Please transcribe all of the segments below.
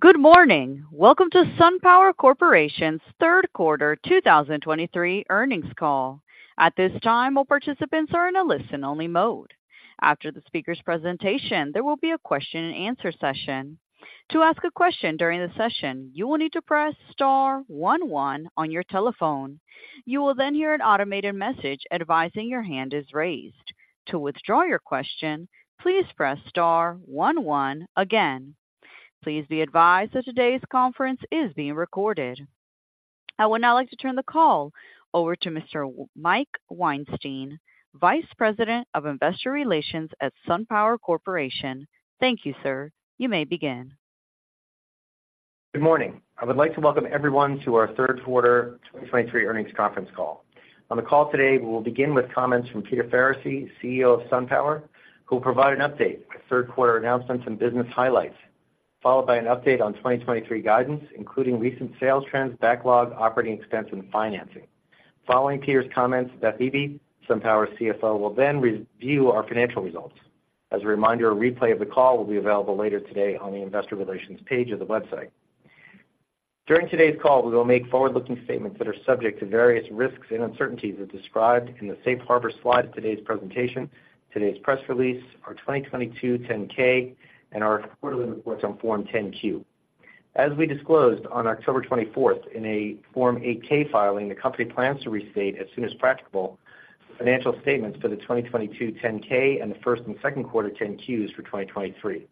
Good morning. Welcome to SunPower Corporation's third quarter 2023 Earnings Call. At this time, all participants are in a listen-only mode. After the speaker's presentation, there will be a question-and-answer session. To ask a question during the session, you will need to press star one one on your telephone. You will then hear an automated message advising your hand is raised. To withdraw your question, please press star one one again. Please be advised that today's conference is being recorded. I would now like to turn the call over to Mr. Mike Weinstein, Vice President of Investor Relations at SunPower Corporation. Thank you, sir. You may begin. Good morning. I would like to welcome everyone to our third quarter 2023 earnings conference call. On the call today, we will begin with comments from Peter Faricy, CEO of SunPower, who will provide an update on third quarter announcements and business highlights, followed by an update on 2023 guidance, including recent sales trends, backlog, operating expense, and financing. Following Peter's comments, Beth Eby, SunPower's CFO, will then review our financial results. As a reminder, a replay of the call will be available later today on the investor relations page of the website. During today's call, we will make forward-looking statements that are subject to various risks and uncertainties as described in the safe harbor slide of today's presentation, today's press release, our 2022 10-K, and our quarterly reports on Form 10-Q. As we disclosed on October 24th in a Form 8-K filing, the company plans to restate, as soon as practicable, the financial statements for the 2022 10-K and the first and second quarter 10-Qs for 2023.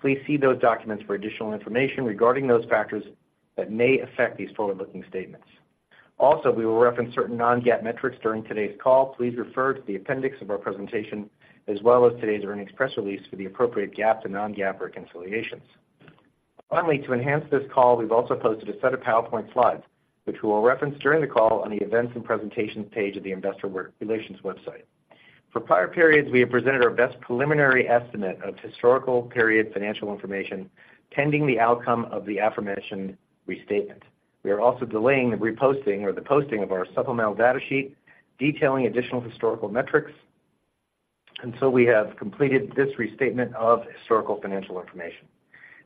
Please see those documents for additional information regarding those factors that may affect these forward-looking statements. Also, we will reference certain non-GAAP metrics during today's call. Please refer to the appendix of our presentation, as well as today's earnings press release, for the appropriate GAAP and non-GAAP reconciliations. Finally, to enhance this call, we've also posted a set of PowerPoint slides, which we will reference during the call on the Events and Presentations page of the investor relations website. For prior periods, we have presented our best preliminary estimate of historical period financial information, pending the outcome of the aforementioned restatement. We are also delaying the reposting or the posting of our supplemental data sheet, detailing additional historical metrics, until we have completed this restatement of historical financial information.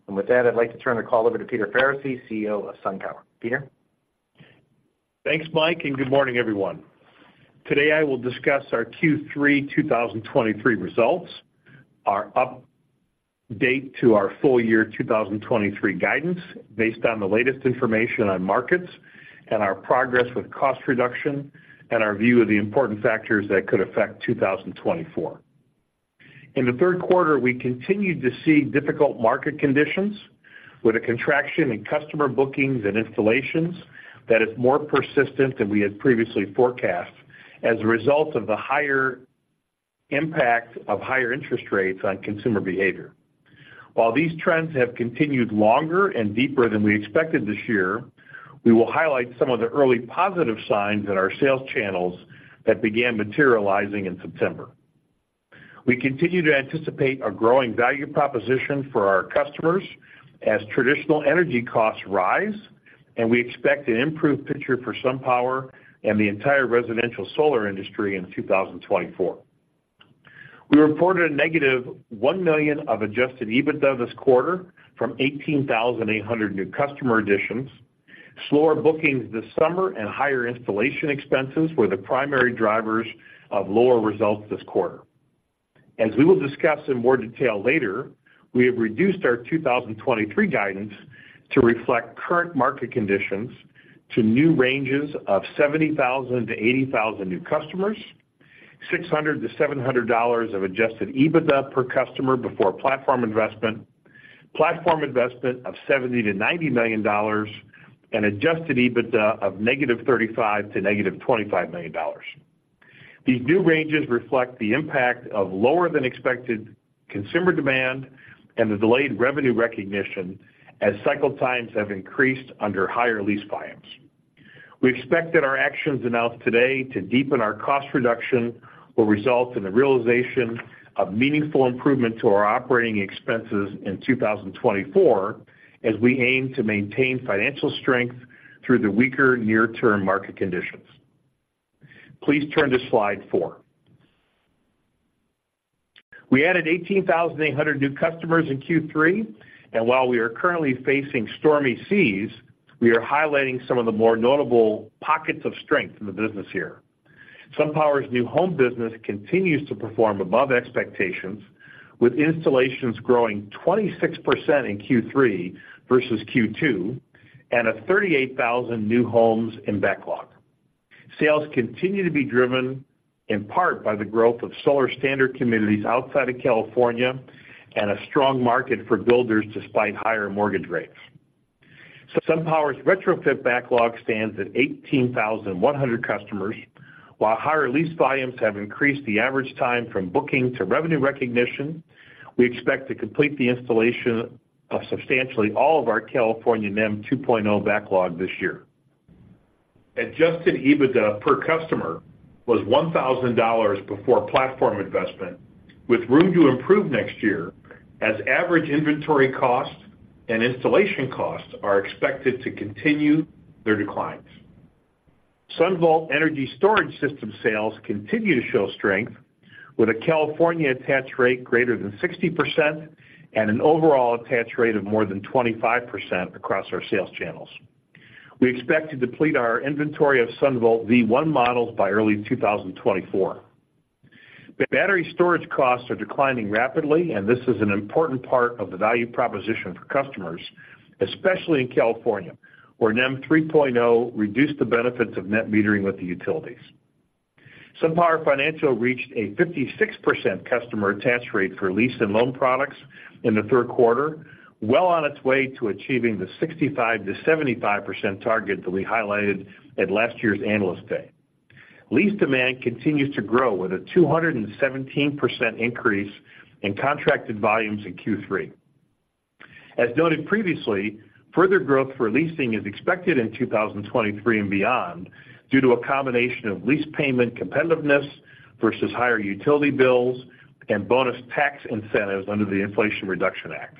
With that, I'd like to turn the call over to Peter Faricy, CEO of SunPower. Peter? Thanks, Mike, and good morning, everyone. Today, I will discuss our Q3 2023 results, our update to our full year 2023 guidance based on the latest information on markets and our progress with cost reduction and our view of the important factors that could affect 2024. In the third quarter, we continued to see difficult market conditions, with a contraction in customer bookings and installations that is more persistent than we had previously forecast as a result of the higher impact of higher interest rates on consumer behavior. While these trends have continued longer and deeper than we expected this year, we will highlight some of the early positive signs in our sales channels that began materializing in September. We continue to anticipate a growing value proposition for our customers as traditional energy costs rise, and we expect an improved picture for SunPower and the entire residential solar industry in 2024. We reported a negative $1 million of adjusted EBITDA this quarter from 18,800 new customer additions. Slower bookings this summer and higher installation expenses were the primary drivers of lower results this quarter. As we will discuss in more detail later, we have reduced our 2023 guidance to reflect current market conditions to new ranges of 70,000-80,000 new customers, $600-$700 of adjusted EBITDA per customer before platform investment, platform investment of $70 million-$90 million, and adjusted EBITDA of -$35 million to -$25 million. These new ranges reflect the impact of lower-than-expected consumer demand and the delayed revenue recognition, as cycle times have increased under higher lease volumes. We expect that our actions announced today to deepen our cost reduction will result in the realization of meaningful improvement to our operating expenses in 2024, as we aim to maintain financial strength through the weaker near-term market conditions. Please turn to slide 4. We added 18,800 new customers in Q3, and while we are currently facing stormy seas, we are highlighting some of the more notable pockets of strength in the business here. SunPower's new home business continues to perform above expectations, with installations growing 26% in Q3 versus Q2 and 38,000 new homes in backlog. Sales continue to be driven in part by the growth of solar standard communities outside of California and a strong market for builders despite higher mortgage rates. SunPower's retrofit backlog stands at 18,100 customers. While higher lease volumes have increased the average time from booking to revenue recognition, we expect to complete the installation of substantially all of our California NEM 2.0 backlog this year. Adjusted EBITDA per customer was $1,000 before platform investment, with room to improve next year as average inventory costs and installation costs are expected to continue their declines. SunVault energy storage system sales continue to show strength, with a California attach rate greater than 60% and an overall attach rate of more than 25% across our sales channels. We expect to deplete our inventory of SunVault V1 models by early 2024. Battery storage costs are declining rapidly, and this is an important part of the value proposition for customers, especially in California, where NEM 3.0 reduced the benefits of net metering with the utilities. SunPower Financial reached a 56% customer attach rate for lease and loan products in the third quarter, well on its way to achieving the 65%-75% target that we highlighted at last year's Analyst Day. Lease demand continues to grow, with a 217% increase in contracted volumes in Q3. As noted previously, further growth for leasing is expected in 2023 and beyond due to a combination of lease payment competitiveness versus higher utility bills and bonus tax incentives under the Inflation Reduction Act.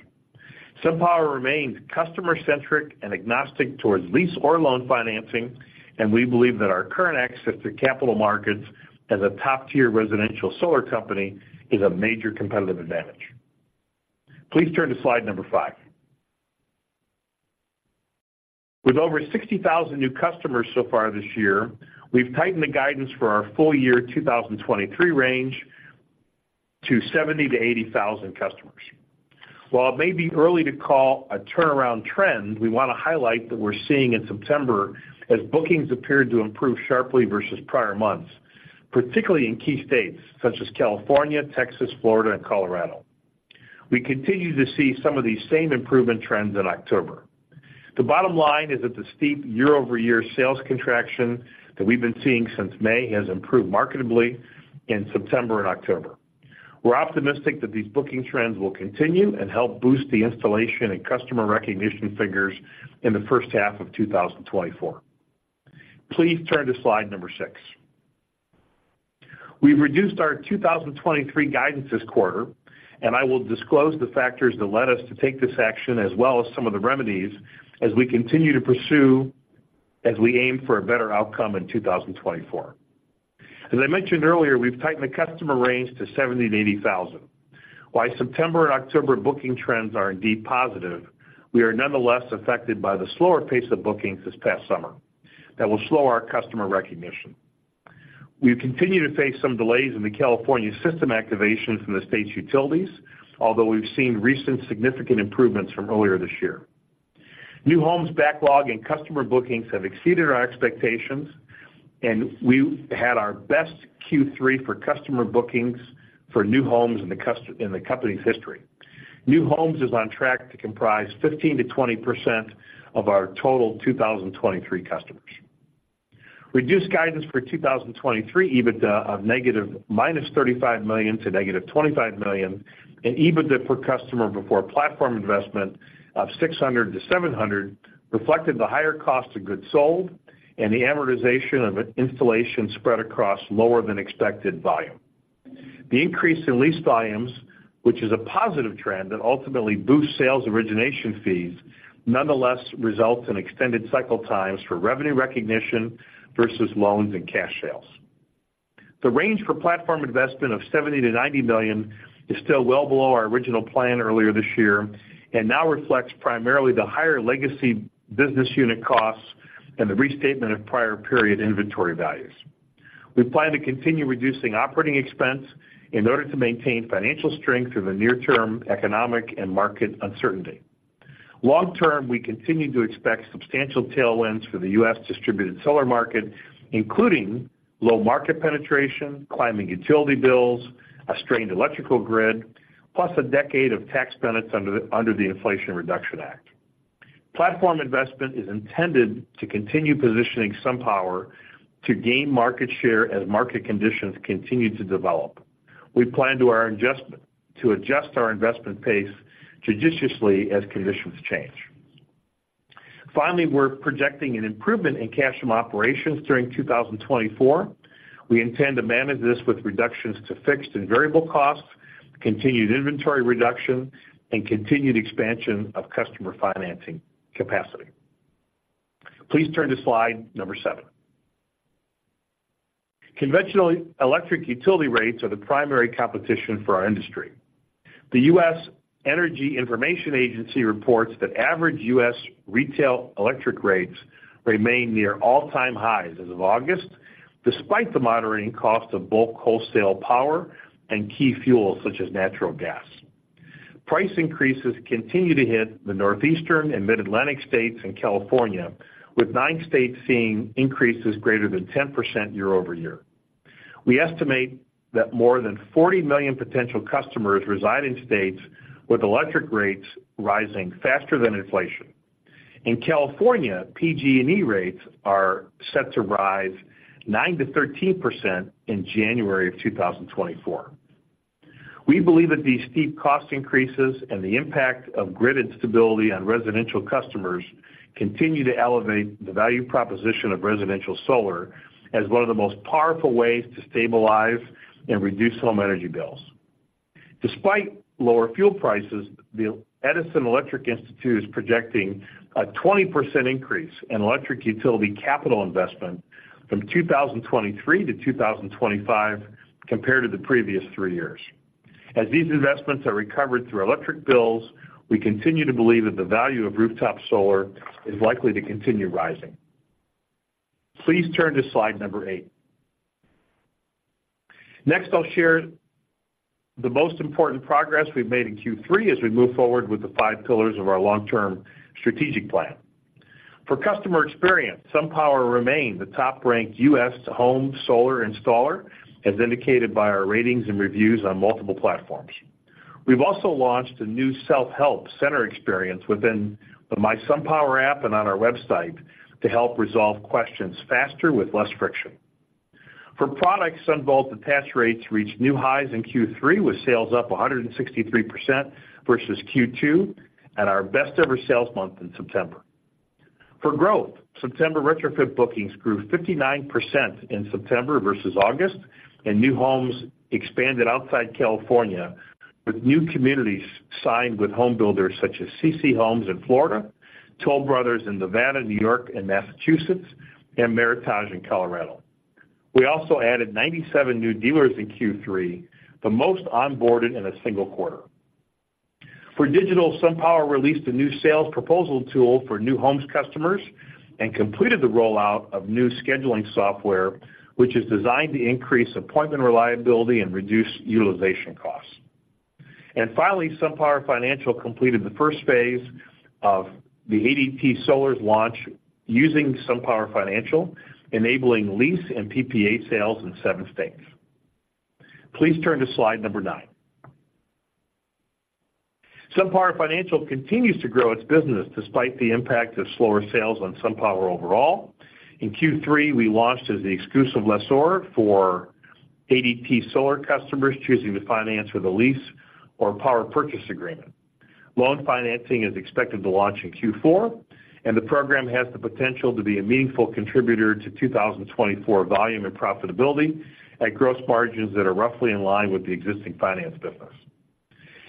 SunPower remains customer-centric and agnostic towards lease or loan financing, and we believe that our current access to capital markets as a top-tier residential solar company is a major competitive advantage. Please turn to slide number 5. With over 60,000 new customers so far this year, we've tightened the guidance for our full year 2023 range to 70,000-80,000 customers. While it may be early to call a turnaround trend, we want to highlight that we're seeing in September as bookings appeared to improve sharply versus prior months, particularly in key states such as California, Texas, Florida, and Colorado. We continue to see some of these same improvement trends in October. The bottom line is that the steep year-over-year sales contraction that we've been seeing since May has improved markedly in September and October. We're optimistic that these booking trends will continue and help boost the installation and customer recognition figures in the first half of 2024. Please turn to slide 6. We've reduced our 2023 guidance this quarter, and I will disclose the factors that led us to take this action, as well as some of the remedies as we continue to pursue as we aim for a better outcome in 2024. As I mentioned earlier, we've tightened the customer range to 70,000-80,000. While September and October booking trends are indeed positive, we are nonetheless affected by the slower pace of bookings this past summer that will slow our customer recognition. We continue to face some delays in the California system activation from the state's utilities, although we've seen recent significant improvements from earlier this year. New homes backlog and customer bookings have exceeded our expectations, and we had our best Q3 for customer bookings for new homes in the company's history. New homes is on track to comprise 15%-20% of our total 2023 customers. Reduced guidance for 2023 EBITDA of -$35 million to -$25 million, and EBITDA per customer before platform investment of $600-$700, reflected the higher cost of goods sold and the amortization of installation spread across lower-than-expected volume. The increase in lease volumes, which is a positive trend that ultimately boosts sales origination fees, nonetheless results in extended cycle times for revenue recognition versus loans and cash sales. The range for platform investment of $70 million-$90 million is still well below our original plan earlier this year, and now reflects primarily the higher legacy business unit costs and the restatement of prior period inventory values. We plan to continue reducing operating expense in order to maintain financial strength through the near-term economic and market uncertainty. Long term, we continue to expect substantial tailwinds for the U.S. distributed solar market, including low market penetration, climbing utility bills, a strained electrical grid, plus a decade of tax benefits under the, under the Inflation Reduction Act. Platform investment is intended to continue positioning SunPower to gain market share as market conditions continue to develop. We plan to our adjustment-- to adjust our investment pace judiciously as conditions change. Finally, we're projecting an improvement in cash from operations during 2024. We intend to manage this with reductions to fixed and variable costs, continued inventory reduction, and continued expansion of customer financing capacity. Please turn to slide number 7. Conventional electric utility rates are the primary competition for our industry. The U.S. Energy Information Administration reports that average U.S. retail electric rates remain near all-time highs as of August, despite the moderating cost of bulk wholesale power and key fuels such as natural gas. Price increases continue to hit the Northeastern and Mid-Atlantic states and California, with 9 states seeing increases greater than 10% year-over-year. We estimate that more than 40 million potential customers reside in states with electric rates rising faster than inflation. In California, PG&E rates are set to rise 9%-13% in January 2024. We believe that these steep cost increases and the impact of grid instability on residential customers continue to elevate the value proposition of residential solar as one of the most powerful ways to stabilize and reduce home energy bills. Despite lower fuel prices, the Edison Electric Institute is projecting a 20% increase in electric utility capital investment from 2023 to 2025 compared to the previous three years. As these investments are recovered through electric bills, we continue to believe that the value of rooftop solar is likely to continue rising. Please turn to slide number 8. Next, I'll share the most important progress we've made in Q3 as we move forward with the five pillars of our long-term strategic plan. For customer experience, SunPower remained the top-ranked U.S. home solar installer, as indicated by our ratings and reviews on multiple platforms. We've also launched a new self-help center experience within the mySunPower app and on our website to help resolve questions faster with less friction. For products, SunVault attach rates reached new highs in Q3, with sales up 163% versus Q2, and our best-ever sales month in September. For growth, September retrofit bookings grew 59% in September versus August, and new homes expanded outside California, with new communities signed with home builders such as CC Homes in Florida, Toll Brothers in Nevada, New York, and Massachusetts, and Meritage in Colorado. We also added 97 new dealers in Q3, the most onboarded in a single quarter. For digital, SunPower released a new sales proposal tool for new homes customers and completed the rollout of new scheduling software, which is designed to increase appointment reliability and reduce utilization costs. And finally, SunPower Financial completed the first phase of the ADT Solar's launch using SunPower Financial, enabling lease and PPA sales in 7 states. Please turn to slide number 9. SunPower Financial continues to grow its business despite the impact of slower sales on SunPower overall. In Q3, we launched as the exclusive lessor for ADT Solar customers choosing to finance with a lease or power purchase agreement. Loan financing is expected to launch in Q4, and the program has the potential to be a meaningful contributor to 2024 volume and profitability at gross margins that are roughly in line with the existing finance business.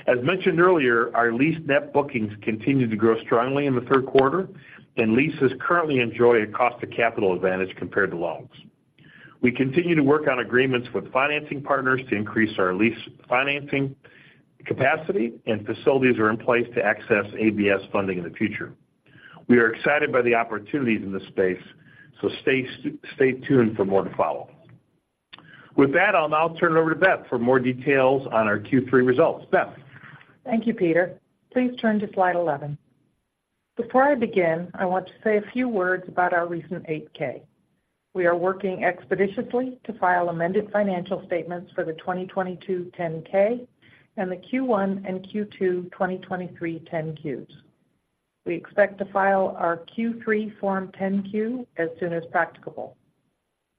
As mentioned earlier, our lease net bookings continued to grow strongly in the third quarter, and leases currently enjoy a cost of capital advantage compared to loans. We continue to work on agreements with financing partners to increase our lease financing capacity, and facilities are in place to access ABS funding in the future. We are excited by the opportunities in this space, so stay tuned for more to follow. With that, I'll now turn it over to Beth for more details on our Q3 results. Beth? Thank you, Peter. Please turn to slide 11. Before I begin, I want to say a few words about our recent 8-K. We are working expeditiously to file amended financial statements for the 2022 10-K and the Q1 and Q2 2023 10-Qs. We expect to file our Q3 Form 10-Q as soon as practicable.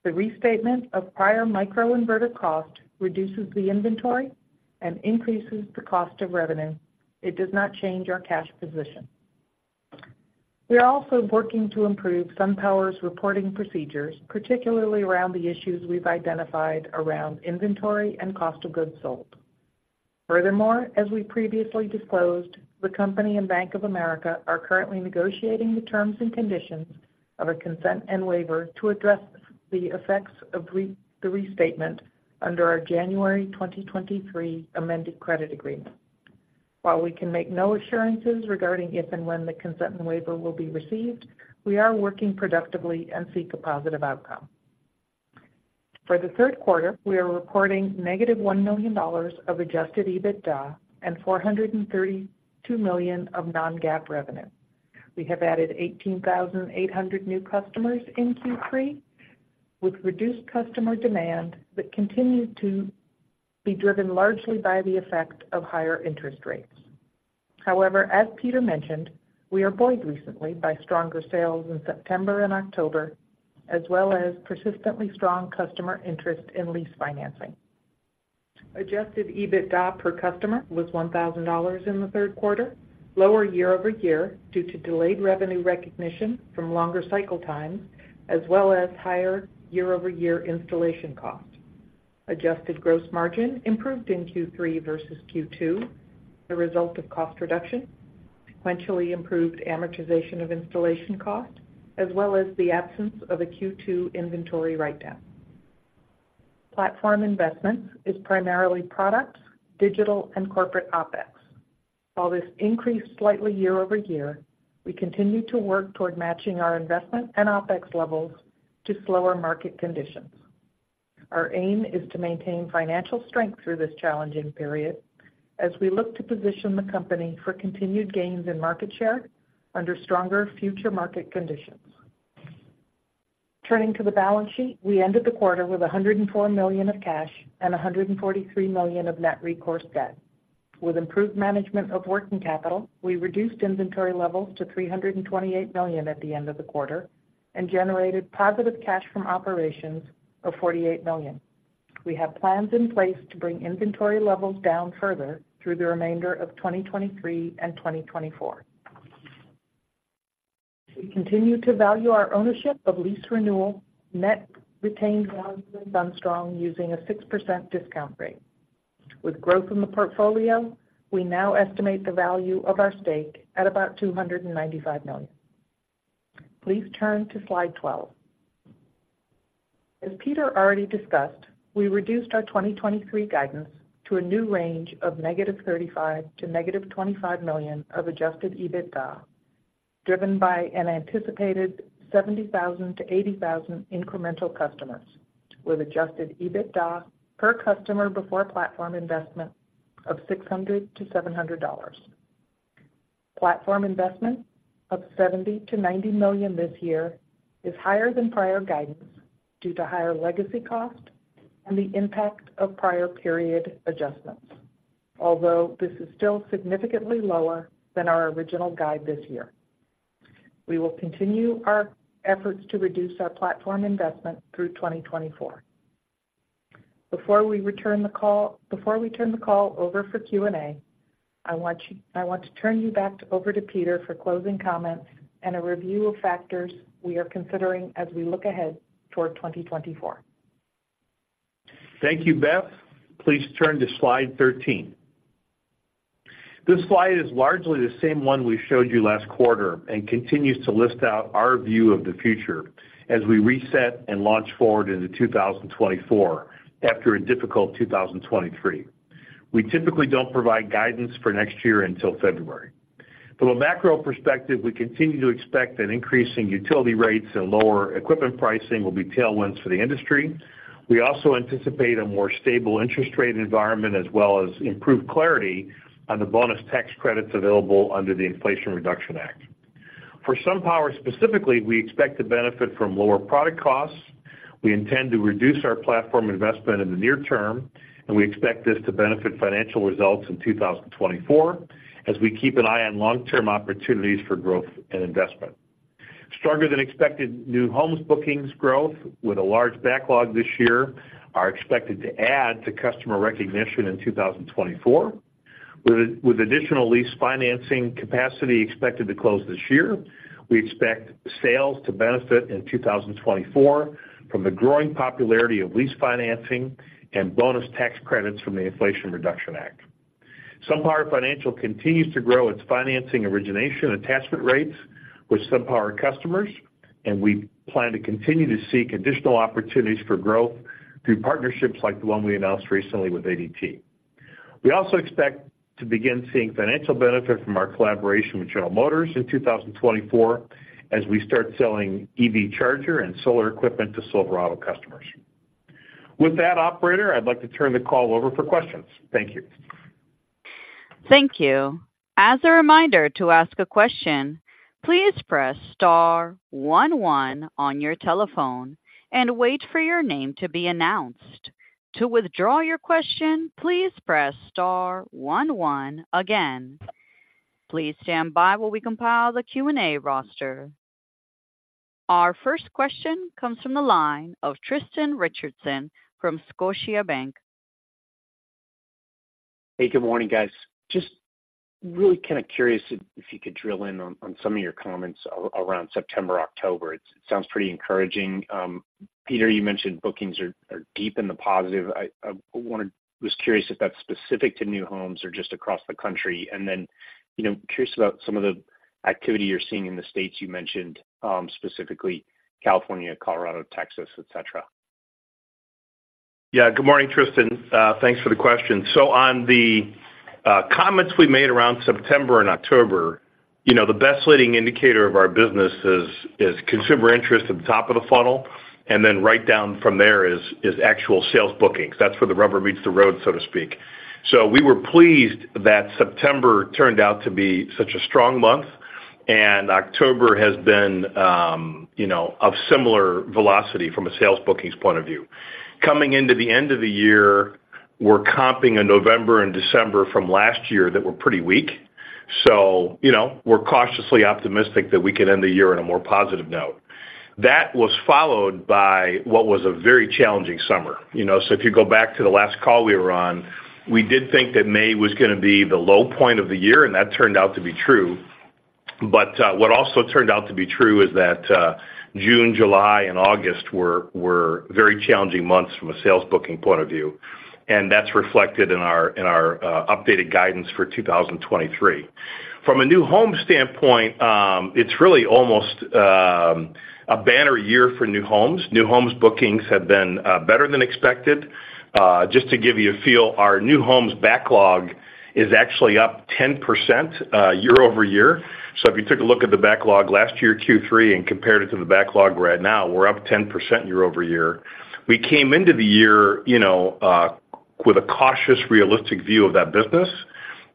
The restatement of prior microinverter cost reduces the inventory and increases the cost of revenue. It does not change our cash position. We are also working to improve SunPower's reporting procedures, particularly around the issues we've identified around inventory and cost of goods sold. Furthermore, as we previously disclosed, the company and Bank of America are currently negotiating the terms and conditions of a consent and waiver to address the effects of the restatement under our January 2023 amended credit agreement. While we can make no assurances regarding if and when the consent and waiver will be received, we are working productively and seek a positive outcome. For the third quarter, we are reporting -$1 million of adjusted EBITDA and $432 million of non-GAAP revenue. We have added 18,800 new customers in Q3, with reduced customer demand that continued to be driven largely by the effect of higher interest rates. However, as Peter mentioned, we are buoyed recently by stronger sales in September and October, as well as persistently strong customer interest in lease financing. Adjusted EBITDA per customer was $1,000 in the third quarter, lower year-over-year due to delayed revenue recognition from longer cycle times, as well as higher year-over-year installation costs. Adjusted gross margin improved in Q3 versus Q2, the result of cost reduction, sequentially improved amortization of installation cost, as well as the absence of a Q2 inventory write-down. Platform investment is primarily products, digital, and corporate OpEx. While this increased slightly year-over-year, we continue to work toward matching our investment and OpEx levels to slower market conditions. Our aim is to maintain financial strength through this challenging period as we look to position the company for continued gains in market share under stronger future market conditions. Turning to the balance sheet, we ended the quarter with $104 million of cash and $143 million of net recourse debt. With improved management of working capital, we reduced inventory levels to $328 million at the end of the quarter and generated positive cash from operations of $48 million. We have plans in place to bring inventory levels down further through the remainder of 2023 and 2024. We continue to value our ownership of lease renewal net retained SunStrong, using a 6% discount rate. With growth in the portfolio, we now estimate the value of our stake at about $295 million. Please turn to slide 12. As Peter already discussed, we reduced our 2023 guidance to a new range of -$35 million to -$25 million of adjusted EBITDA, driven by an anticipated 70,000-80,000 incremental customers, with adjusted EBITDA per customer before platform investment of $600-$700. Platform investment of $70 million-$90 million this year is higher than prior guidance due to higher legacy costs and the impact of prior period adjustments, although this is still significantly lower than our original guide this year. We will continue our efforts to reduce our platform investment through 2024. Before we turn the call over for Q&A, I want to turn you back over to Peter for closing comments and a review of factors we are considering as we look ahead toward 2024. Thank you, Beth. Please turn to slide 13. This slide is largely the same one we showed you last quarter and continues to list out our view of the future as we reset and launch forward into 2024, after a difficult 2023. We typically don't provide guidance for next year until February. From a macro perspective, we continue to expect that increasing utility rates and lower equipment pricing will be tailwinds for the industry. We also anticipate a more stable interest rate environment, as well as improved clarity on the bonus tax credits available under the Inflation Reduction Act. For SunPower, specifically, we expect to benefit from lower product costs. We intend to reduce our platform investment in the near term, and we expect this to benefit financial results in 2024, as we keep an eye on long-term opportunities for growth and investment. Stronger than expected new homes bookings growth with a large backlog this year are expected to add to revenue recognition in 2024. With additional lease financing capacity expected to close this year, we expect sales to benefit in 2024 from the growing popularity of lease financing and bonus tax credits from the Inflation Reduction Act. SunPower Financial continues to grow its financing origination attachment rates with SunPower customers, and we plan to continue to seek additional opportunities for growth through partnerships like the one we announced recently with ADT. We also expect to begin seeing financial benefit from our collaboration with General Motors in 2024, as we start selling EV charger and solar equipment to Silverado customers. With that, operator, I'd like to turn the call over for questions. Thank you. Thank you. As a reminder to ask a question, please press star one one on your telephone and wait for your name to be announced. To withdraw your question, please press star one one again. Please stand by while we compile the Q&A roster. Our first question comes from the line of Tristan Richardson from Scotiabank. Hey, good morning, guys. Just really kind of curious if you could drill in on some of your comments around September, October. It sounds pretty encouraging. Peter, you mentioned bookings are deep in the positive. I was curious if that's specific to new homes or just across the country. And then, you know, curious about some of the activity you're seeing in the States. You mentioned specifically California, Colorado, Texas, et cetera. Yeah. Good morning, Tristan. Thanks for the question. So on the comments we made around September and October, you know, the best leading indicator of our business is consumer interest at the top of the funnel, and then right down from there is actual sales bookings. That's where the rubber meets the road, so to speak. So we were pleased that September turned out to be such a strong month, and October has been, you know, of similar velocity from a sales bookings point of view. Coming into the end of the year, we're comping a November and December from last year that were pretty weak. So, you know, we're cautiously optimistic that we can end the year on a more positive note. That was followed by what was a very challenging summer. You know, so if you go back to the last call we were on, we did think that May was gonna be the low point of the year, and that turned out to be true. But what also turned out to be true is that June, July, and August were very challenging months from a sales booking point of view, and that's reflected in our updated guidance for 2023. From a new home standpoint, it's really almost a banner year for new homes. New homes bookings have been better than expected. Just to give you a feel, our new homes backlog is actually up 10% year-over-year. So if you took a look at the backlog last year, Q3, and compared it to the backlog we're at now, we're up 10% year-over-year. We came into the year, you know, with a cautious, realistic view of that business,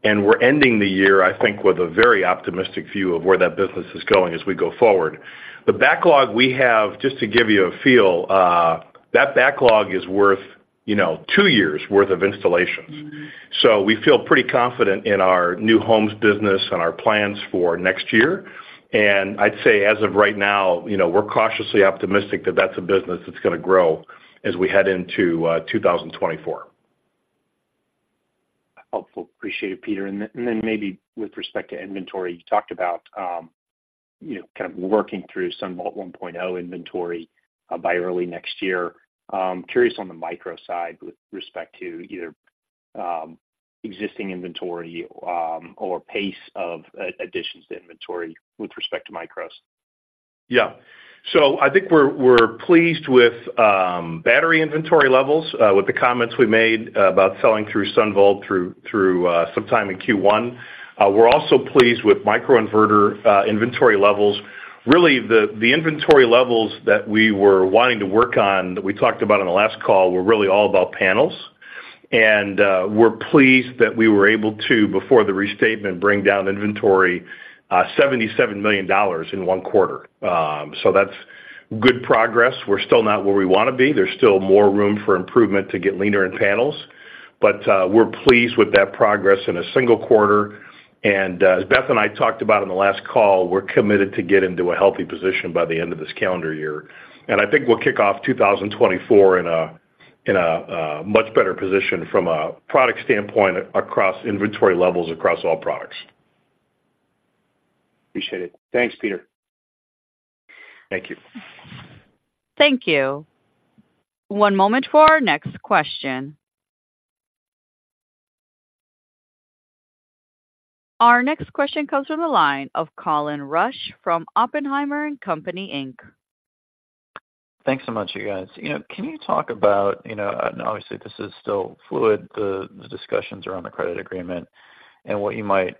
and we're ending the year, I think, with a very optimistic view of where that business is going as we go forward. The backlog we have, just to give you a feel, that backlog is worth, you know, two years' worth of installations. So we feel pretty confident in our new homes business and our plans for next year. And I'd say as of right now, you know, we're cautiously optimistic that that's a business that's gonna grow as we head into 2024. Helpful. Appreciate it, Peter. And then maybe with respect to inventory, you talked about, you know, kind of working through SunVault 1.0 inventory by early next year. Curious on the micro side with respect to either existing inventory or pace of additions to inventory with respect to micros. Yeah. So I think we're pleased with battery inventory levels with the comments we made about selling through SunVault through sometime in Q1. We're also pleased with microinverter inventory levels. Really, the inventory levels that we were wanting to work on, that we talked about on the last call, were really all about panels. And we're pleased that we were able to, before the restatement, bring down inventory $77 million in one quarter. So that's good progress. We're still not where we wanna be. There's still more room for improvement to get leaner in panels, but we're pleased with that progress in a single quarter. And as Beth and I talked about on the last call, we're committed to get into a healthy position by the end of this calendar year. I think we'll kick off 2024 in a much better position from a product standpoint across inventory levels, across all products. Appreciate it. Thanks, Peter. Thank you. Thank you. One moment for our next question. Our next question comes from the line of Colin Rusch from Oppenheimer & Company Inc. Thanks so much, you guys. You know, can you talk about, you know, and obviously, this is still fluid, the discussions around the credit agreement and what you might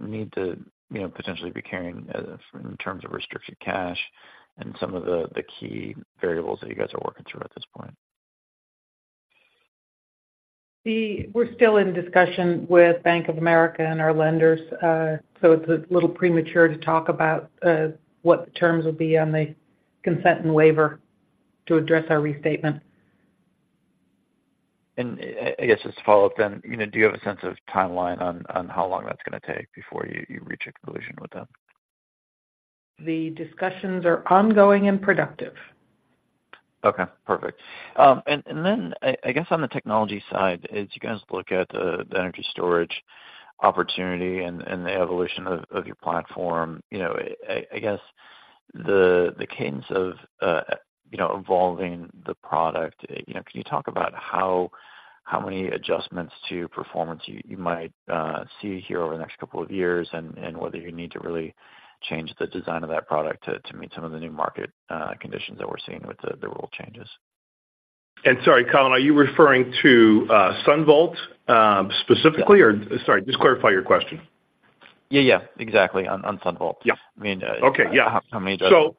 need to, you know, potentially be carrying in terms of restricted cash and some of the key variables that you guys are working through at this point? We're still in discussion with Bank of America and our lenders, so it's a little premature to talk about what the terms will be on the consent and waiver to address our restatement. I guess, just to follow up then, you know, do you have a sense of timeline on how long that's gonna take before you reach a conclusion with them? The discussions are ongoing and productive. Okay, perfect. And then I guess on the technology side, as you guys look at the energy storage opportunity and the evolution of your platform, you know, I guess the cadence of, you know, evolving the product, you know, can you talk about how many adjustments to performance you might see here over the next couple of years? And whether you need to really change the design of that product to meet some of the new market conditions that we're seeing with the rule changes. Sorry, Colin, are you referring to SunVault specifically? Sorry, just clarify your question. Yeah, yeah, exactly, on, on SunVault. I mean. Okay, yeah. How many the. So. Go ahead.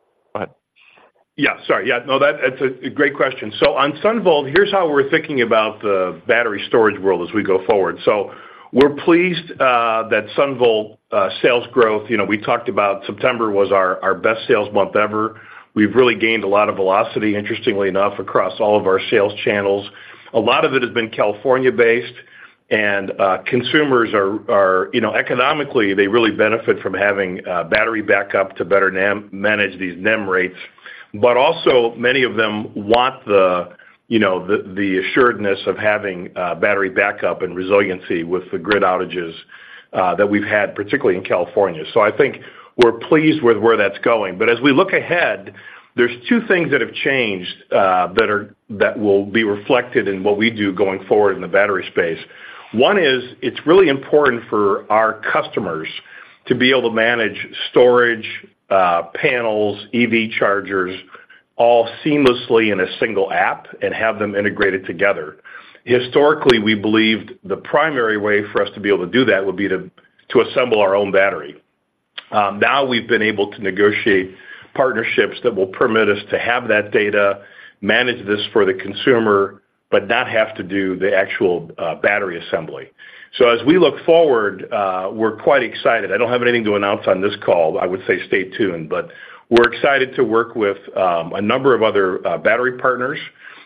Yeah, sorry. Yeah, no, that's a great question. So on SunVault, here's how we're thinking about the battery storage world as we go forward. So we're pleased that SunVault sales growth, you know, we talked about September was our best sales month ever. We've really gained a lot of velocity, interestingly enough, across all of our sales channels. A lot of it has been California-based, and consumers are, you know, economically, they really benefit from having a battery backup to better manage these NEM rates. But also, many of them want the, you know, the assuredness of having battery backup and resiliency with the grid outages that we've had, particularly in California. So I think we're pleased with where that's going. But as we look ahead, there's two things that have changed that will be reflected in what we do going forward in the battery space. One is, it's really important for our customers to be able to manage storage, panels, EV chargers, all seamlessly in a single app and have them integrated together. Historically, we believed the primary way for us to be able to do that would be to assemble our own battery. Now we've been able to negotiate partnerships that will permit us to have that data, manage this for the consumer, but not have to do the actual battery assembly. So as we look forward, we're quite excited. I don't have anything to announce on this call. I would say stay tuned, but we're excited to work with a number of other battery partners.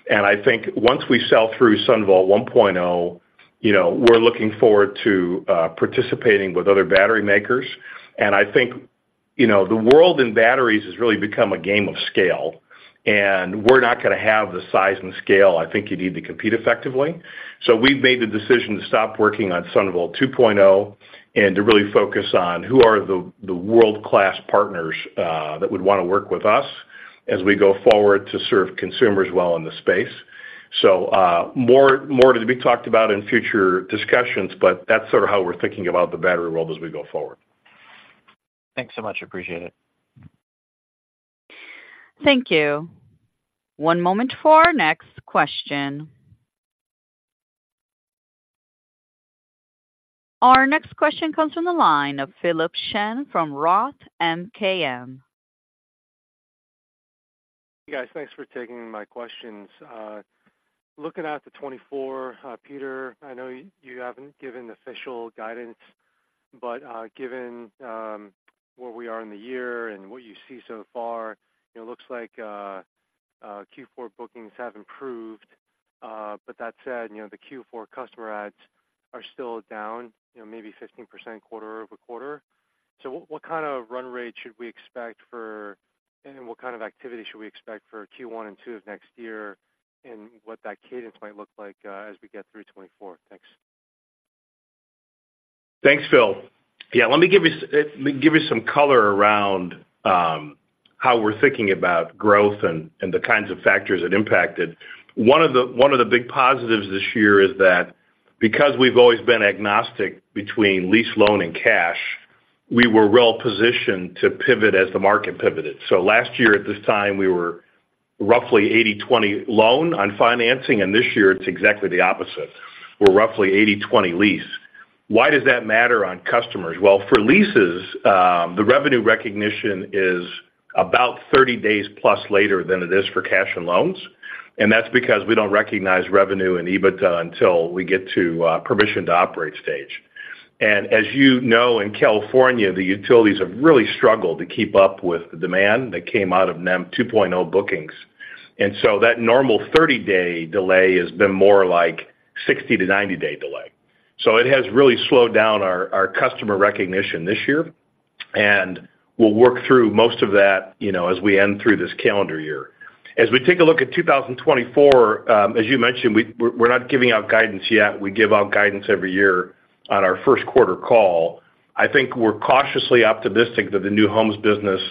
I think once we sell through SunVault 1.0, you know, we're looking forward to participating with other battery makers. I think, you know, the world in batteries has really become a game of scale, and we're not gonna have the size and scale I think you need to compete effectively. So we've made the decision to stop working on SunVault 2.0, and to really focus on who are the world-class partners that would wanna work with us as we go forward to serve consumers well in the space. So, more to be talked about in future discussions, but that's sort of how we're thinking about the battery world as we go forward. Thanks so much. Appreciate it. Thank you. One moment for our next question. Our next question comes from the line of Philip Shen from ROTH MKM. Hey, guys. Thanks for taking my questions. Looking out to 2024, Peter, I know you haven't given official guidance, but, given where we are in the year and what you see so far, it looks like Q4 bookings have improved. But that said, you know, the Q4 customer adds are still down, you know, maybe 15% quarter-over-quarter. So what kind of run rate should we expect for, and what kind of activity should we expect for Q1 and Q2 of next year, and what that cadence might look like, as we get through 2024? Thanks. Thanks, Phil. Yeah, let me give you some color around how we're thinking about growth and the kinds of factors that impact it. One of the big positives this year is that because we've always been agnostic between lease, loan, and cash, we were well positioned to pivot as the market pivoted. So last year, at this time, we were roughly 80/20 loan on financing, and this year it's exactly the opposite. We're roughly 80/20 lease. Why does that matter on customers? Well, for leases, the revenue recognition is about 30 days plus later than it is for cash and loans, and that's because we don't recognize revenue and EBITDA until we get to permission to operate stage. As you know, in California, the utilities have really struggled to keep up with the demand that came out of NEM 2.0 bookings. And so that normal 30-day delay has been more like 60- to 90-day delay. So it has really slowed down our customer recognition this year, and we'll work through most of that, you know, as we end through this calendar year. As we take a look at 2024, as you mentioned, we're not giving out guidance yet. We give out guidance every year on our first quarter call. I think we're cautiously optimistic that the new homes business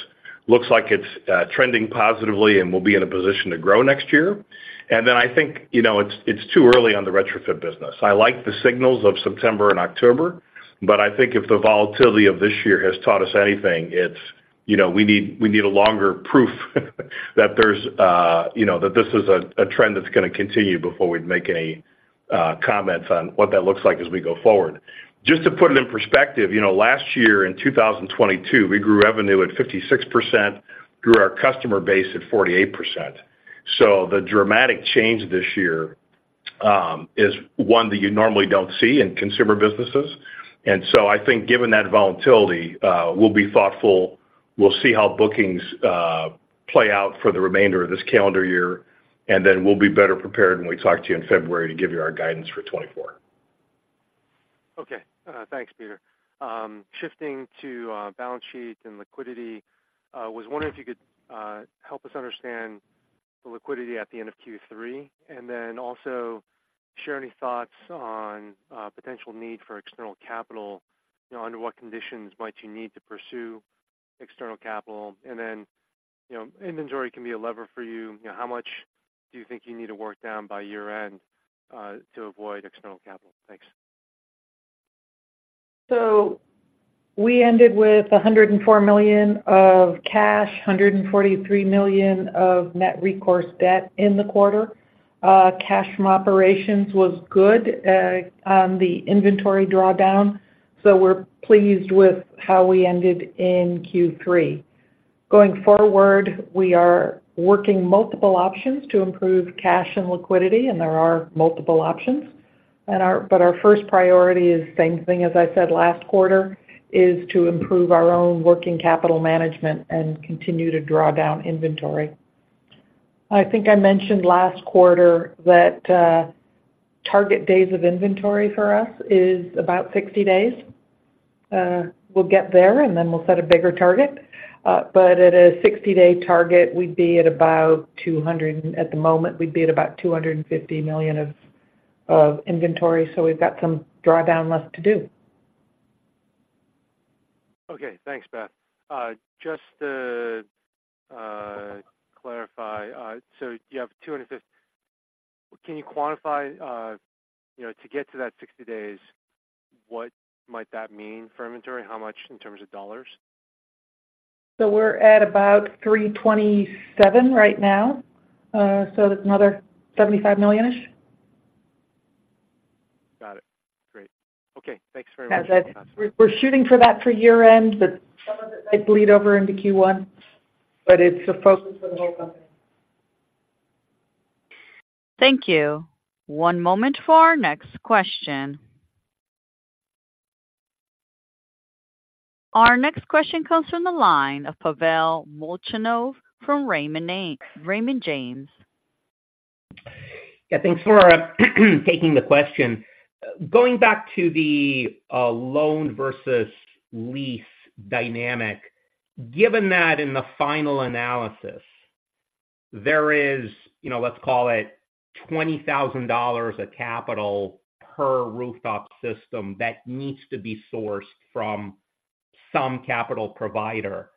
looks like it's trending positively and will be in a position to grow next year. And then I think, you know, it's too early on the retrofit business. I like the signals of September and October, but I think if the volatility of this year has taught us anything, it's, you know, we need a longer proof, that there's a, you know, that this is a trend that's gonna continue before we'd make any comments on what that looks like as we go forward. Just to put it in perspective, you know, last year, in 2022, we grew revenue at 56%, grew our customer base at 48%. So the dramatic change this year is one that you normally don't see in consumer businesses. And so I think given that volatility, we'll be thoughtful. We'll see how bookings play out for the remainder of this calendar year, and then we'll be better prepared when we talk to you in February to give you our guidance for 2024. Okay. Thanks, Peter. Shifting to balance sheets and liquidity, was wondering if you could help us understand the liquidity at the end of Q3, and then also share any thoughts on potential need for external capital, you know, under what conditions might you need to pursue external capital? And then, you know, inventory can be a lever for you. You know, how much do you think you need to work down by year-end to avoid external capital? Thanks. So we ended with $104 million of cash, $143 million of net recourse debt in the quarter. Cash from operations was good on the inventory drawdown, so we're pleased with how we ended in Q3. Going forward, we are working multiple options to improve cash and liquidity, and there are multiple options. But our first priority is same thing as I said last quarter, is to improve our own working capital management and continue to draw down inventory. I think I mentioned last quarter that target days of inventory for us is about 60 days. We'll get there, and then we'll set a bigger target. At a 60-day target, we'd be at about $200 million. At the moment, we'd be at about $250 million of inventory, so we've got some drawdown left to do. Okay, thanks, Beth. Just to clarify, so you have 250— Can you quantify, you know, to get to that 60 days, what might that mean for inventory? How much in terms of dollars? We're at about $327 right now, so that's another $75 million-ish. Got it. Great. Okay, thanks very much. Yeah, we're shooting for that for year-end, but some of it might bleed over into Q1, but it's a focus for the whole company. Thank you. One moment for our next question. Our next question comes from the line of Pavel Molchanov from Raymond James. Yeah, thanks for taking the question. Going back to the loan versus lease dynamic, given that in the final analysis, there is, you know, let's call it $20,000 a capital per rooftop system that needs to be sourced from some capital provider,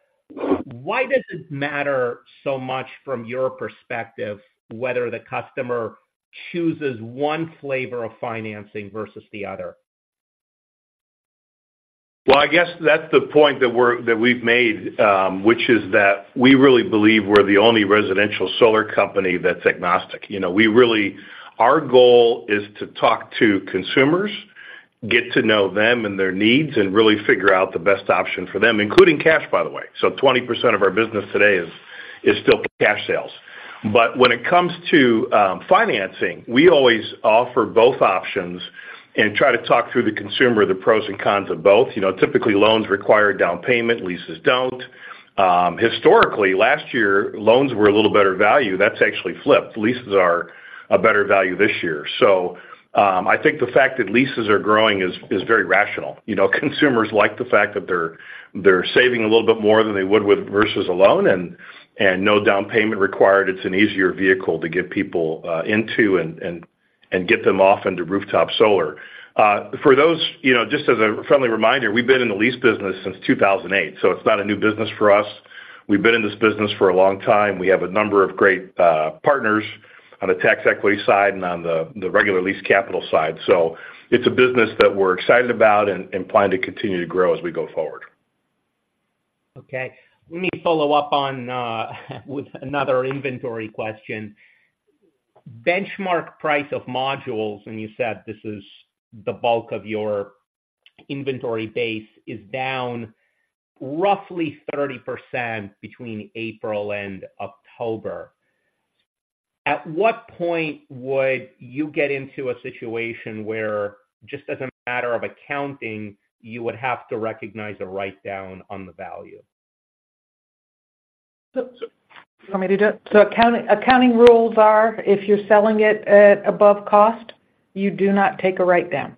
why does it matter so much from your perspective, whether the customer chooses one flavor of financing versus the other? Well, I guess that's the point that we've made, which is that we really believe we're the only residential solar company that's agnostic. You know, our goal is to talk to consumers, get to know them and their needs, and really figure out the best option for them, including cash, by the way. So 20% of our business today is still cash sales. But when it comes to financing, we always offer both options and try to talk through the consumer, the pros and cons of both. You know, typically, loans require a down payment, leases don't. Historically, last year, loans were a little better value. That's actually flipped. Leases are a better value this year. So, I think the fact that leases are growing is very rational. You know, consumers like the fact that they're saving a little bit more than they would with versus a loan, and no down payment required. It's an easier vehicle to get people into and get them off into rooftop solar. For those, you know, just as a friendly reminder, we've been in the lease business since 2008, so it's not a new business for us. We've been in this business for a long time. We have a number of great partners on the tax equity side and on the regular lease capital side. So it's a business that we're excited about and plan to continue to grow as we go forward. Okay. Let me follow up on with another inventory question. Benchmark price of modules, and you said this is the bulk of your inventory base, is down roughly 30% between April and October. At what point would you get into a situation where, just as a matter of accounting, you would have to recognize a write-down on the value? So, you want me to do it? So accounting, accounting rules are, if you're selling it at above cost, you do not take a write-down.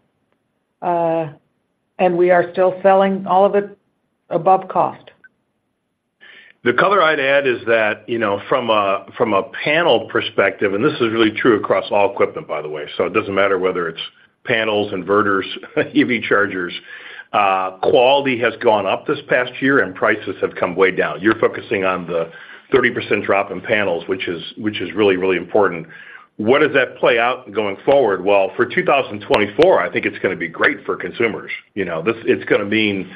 And we are still selling all of it above cost. The color I'd add is that, you know, from a panel perspective, and this is really true across all equipment, by the way, so it doesn't matter whether it's panels, inverters, EV chargers, quality has gone up this past year, and prices have come way down. You're focusing on the 30% drop in panels, which is really, really important. What does that play out going forward? Well, for 2024, I think it's gonna be great for consumers. You know, this, it's gonna mean,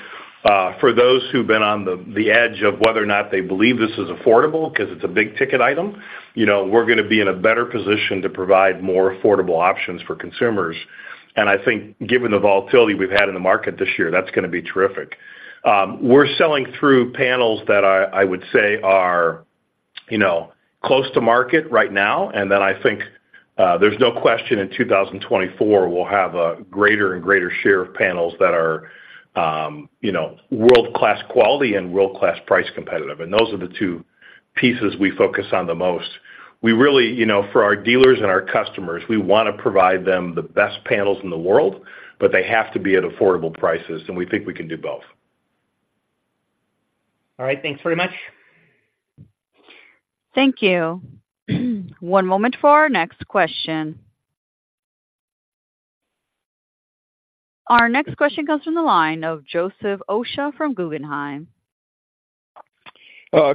for those who've been on the edge of whether or not they believe this is affordable because it's a big-ticket item, you know, we're gonna be in a better position to provide more affordable options for consumers. And I think given the volatility we've had in the market this year, that's gonna be terrific. We're selling through panels that I would say are, you know, close to market right now, and then I think there's no question in 2024, we'll have a greater and greater share of panels that are, you know, world-class quality and world-class price competitive, and those are the two pieces we focus on the most. We really, you know, for our dealers and our customers, we wanna provide them the best panels in the world, but they have to be at affordable prices, and we think we can do both. All right. Thanks very much. Thank you. One moment for our next question. Our next question comes from the line of Joseph Osha from Guggenheim.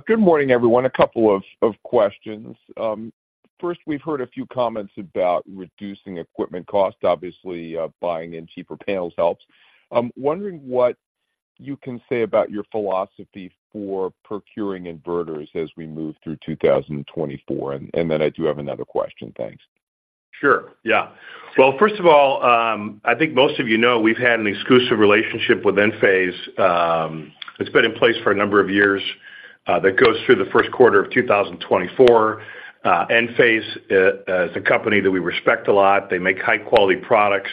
Good morning, everyone. A couple of questions. First, we've heard a few comments about reducing equipment costs. Obviously, buying in cheaper panels helps. I'm wondering what you can say about your philosophy for procuring inverters as we move through 2024. And then I do have another question. Thanks. Sure, yeah. Well, first of all, I think most of you know, we've had an exclusive relationship with Enphase. It's been in place for a number of years, that goes through the first quarter of 2024. Enphase is a company that we respect a lot. They make high-quality products.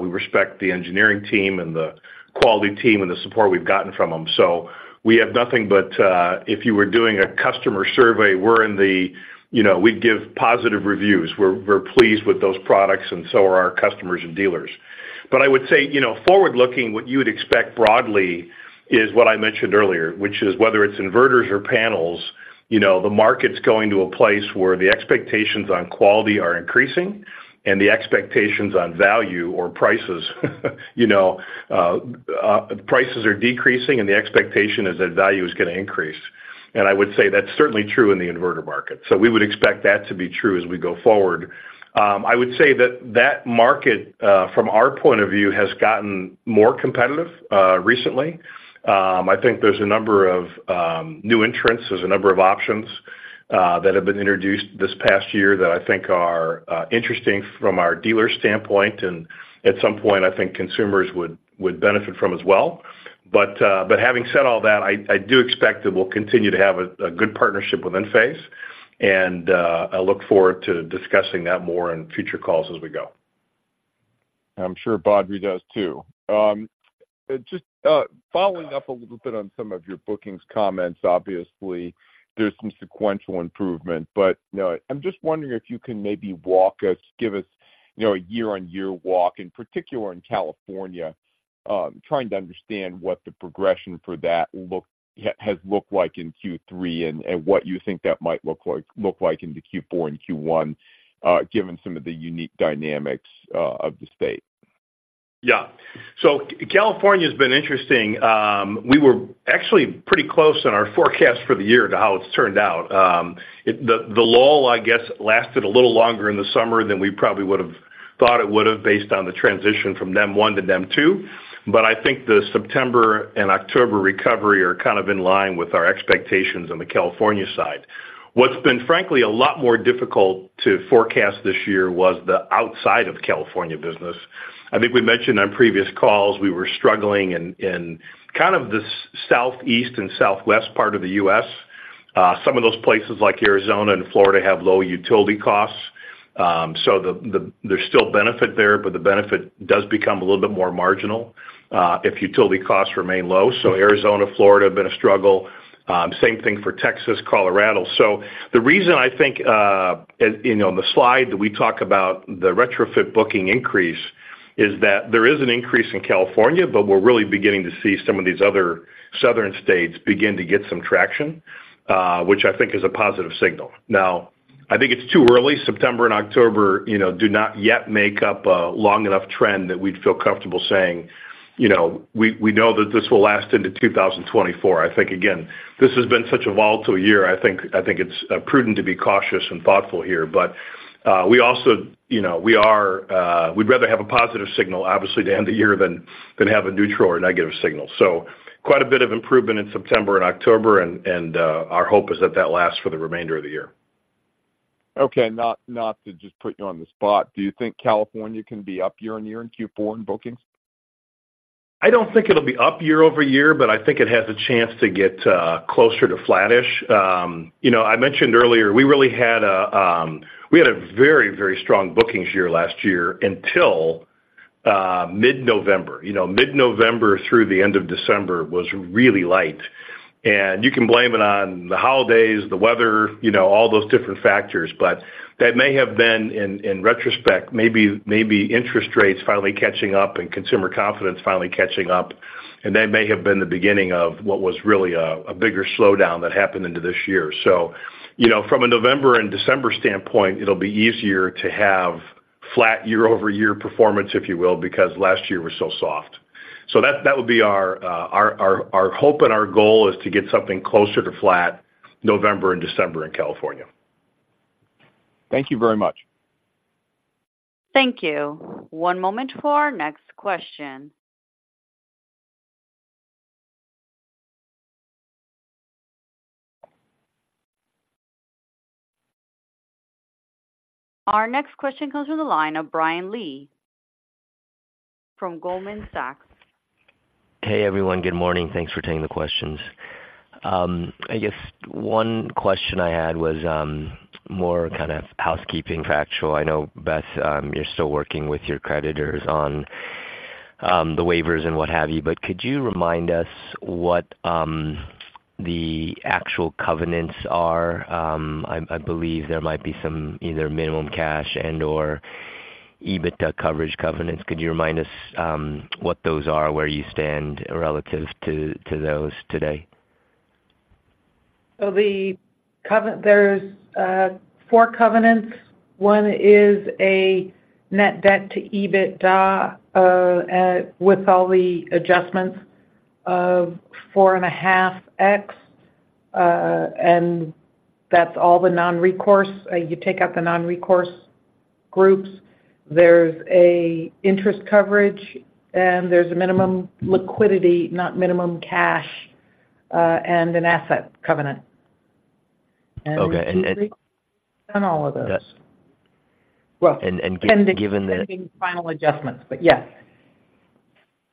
We respect the engineering team and the quality team and the support we've gotten from them. So we have nothing but, if you were doing a customer survey, we're in the, you know, we give positive reviews. We're, we're pleased with those products and so are our customers and dealers. But I would say, you know, forward-looking, what you would expect broadly is what I mentioned earlier, which is whether it's inverters or panels, you know, the market's going to a place where the expectations on quality are increasing and the expectations on value or prices, you know, prices are decreasing and the expectation is that value is gonna increase. And I would say that's certainly true in the inverter market. So we would expect that to be true as we go forward. I would say that, that market, from our point of view, has gotten more competitive recently. I think there's a number of new entrants. There's a number of options that have been introduced this past year that I think are interesting from our dealer standpoint, and at some point, I think consumers would benefit from as well. But having said all that, I do expect that we'll continue to have a good partnership with Enphase, and I look forward to discussing that more in future calls as we go. I'm sure Badri does, too. Just following up a little bit on some of your bookings comments, obviously, there's some sequential improvement, but, you know, I'm just wondering if you can maybe walk us, give us, you know, a year-on-year walk, in particular in California, trying to understand what the progression for that has looked like in Q3 and what you think that might look like in the Q4 and Q1, given some of the unique dynamics of the state. Yeah. So California's been interesting. We were actually pretty close in our forecast for the year to how it's turned out. The lull, I guess, lasted a little longer in the summer than we probably would've thought it would've based on the transition from NEM 1 to NEM 2. But I think the September and October recovery are kind of in line with our expectations on the California side. What's been frankly a lot more difficult to forecast this year was the outside of California business. I think we mentioned on previous calls, we were struggling in kind of the Southeast and Southwest part of the U.S. Some of those places, like Arizona and Florida, have low utility costs. So there's still benefit there, but the benefit does become a little bit more marginal if utility costs remain low. So Arizona, Florida have been a struggle. Same thing for Texas, Colorado. So the reason I think, you know, on the slide that we talk about the retrofit booking increase, is that there is an increase in California, but we're really beginning to see some of these other southern states begin to get some traction, which I think is a positive signal. Now, I think it's too early. September and October, you know, do not yet make up a long enough trend that we'd feel comfortable saying, you know, we know that this will last into 2024. I think, again, this has been such a volatile year. I think it's prudent to be cautious and thoughtful here. But we also, you know, we'd rather have a positive signal, obviously, to end the year than have a neutral or a negative signal. So quite a bit of improvement in September and October, and our hope is that that lasts for the remainder of the year. Okay. Not to just put you on the spot, do you think California can be up year-over-year in Q4 in bookings? I don't think it'll be up year-over-year, but I think it has a chance to get closer to flattish. You know, I mentioned earlier, we really had a very, very strong bookings year last year until mid-November. You know, mid-November through the end of December was really light. You can blame it on the holidays, the weather, you know, all those different factors, but that may have been, in retrospect, maybe interest rates finally catching up and consumer confidence finally catching up, and that may have been the beginning of what was really a bigger slowdown that happened into this year. So you know, from a November and December standpoint, it'll be easier to have flat year-over-year performance, if you will, because last year was so soft. So that would be our hope and our goal is to get something closer to flat November and December in California. Thank you very much. Thank you. One moment for our next question. Our next question comes from the line of Brian Lee from Goldman Sachs. Hey, everyone. Good morning. Thanks for taking the questions. I guess one question I had was more kind of housekeeping factual. I know, Beth, you're still working with your creditors on the waivers and what have you, but could you remind us what the actual covenants are? I believe there might be some either minimum cash and/or EBITDA coverage covenants. Could you remind us what those are, where you stand relative to those today? So the covenants, there's four covenants. One is a net debt to EBITDA at 4.5x with all the adjustments, and that's all the non-recourse. You take out the non-recourse groups. There's an interest coverage, and there's a minimum liquidity, not minimum cash, and an asset covenant. Okay, and. And all of those. Yes. Well. And given the. Making final adjustments, but yes.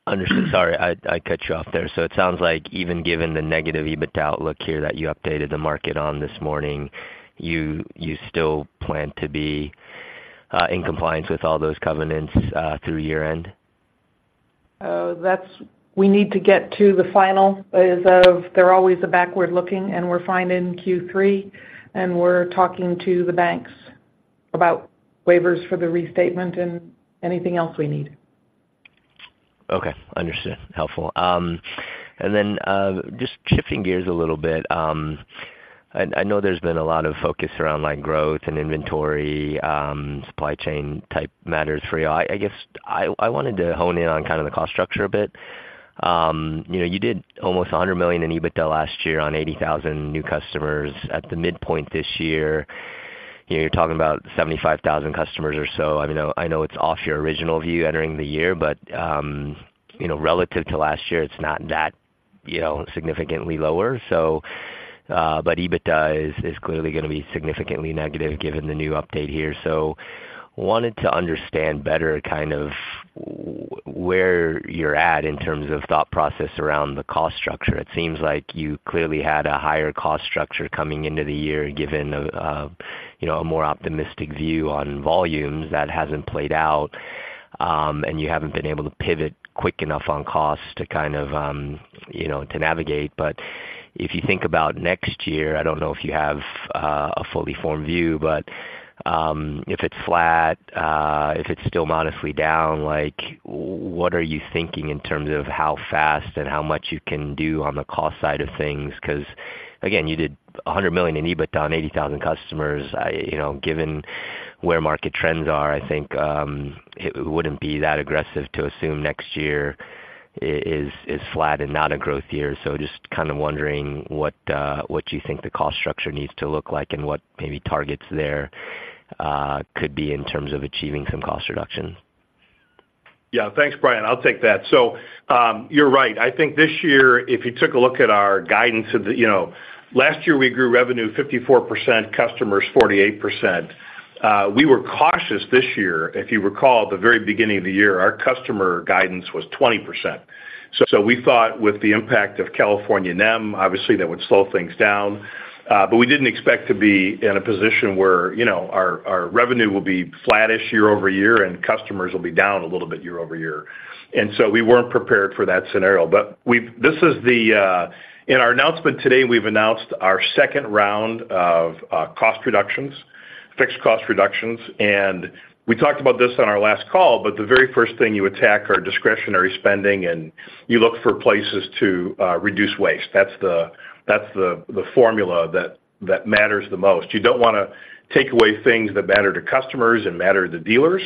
Understood. Sorry, I cut you off there. So it sounds like even given the negative EBITDA outlook here that you updated the market on this morning, you still plan to be in compliance with all those covenants through year end? We need to get to the final, as of. They're always backward-looking, and we're fine in Q3, and we're talking to the banks about waivers for the restatement and anything else we need. Okay, understood. Helpful. And then, just shifting gears a little bit, I know there's been a lot of focus around line growth and inventory, supply chain type matters for you. I wanted to hone in on kind of the cost structure a bit. You know, you did almost $100 million in EBITDA last year on 80,000 new customers. At the midpoint this year, you know, you're talking about 75,000 customers or so. I know it's off your original view entering the year, but, you know, relative to last year, it's not that, you know, significantly lower. So, but EBITDA is clearly gonna be significantly negative given the new update here. So wanted to understand better kind of where you're at in terms of thought process around the cost structure. It seems like you clearly had a higher cost structure coming into the year, given, you know, a more optimistic view on volumes that hasn't played out, and you haven't been able to pivot quick enough on costs to kind of, you know, to navigate. But if you think about next year, I don't know if you have a fully formed view, but, if it's flat, if it's still modestly down, like, what are you thinking in terms of how fast and how much you can do on the cost side of things? 'Cause, again, you did $100 million in EBITDA on 80,000 customers. I, you know, given where market trends are, I think, it wouldn't be that aggressive to assume next year is flat and not a growth year. So, just kind of wondering what you think the cost structure needs to look like and what maybe targets there could be in terms of achieving some cost reductions. Yeah. Thanks, Brian. I'll take that. So, you're right. I think this year, if you took a look at our guidance of the, you know, last year, we grew revenue 54%, customers 48%. We were cautious this year. If you recall, at the very beginning of the year, our customer guidance was 20%. So, so we thought with the impact of California NEM, obviously, that would slow things down, but we didn't expect to be in a position where, you know, our, our revenue will be flattish year-over-year and customers will be down a little bit year-over-year. And so we weren't prepared for that scenario. But this is the, in our announcement today, we've announced our second round of cost reductions, fixed cost reductions, and we talked about this on our last call, but the very first thing you attack are discretionary spending, and you look for places to reduce waste. That's the formula that matters the most. You don't wanna take away things that matter to customers and matter to dealers,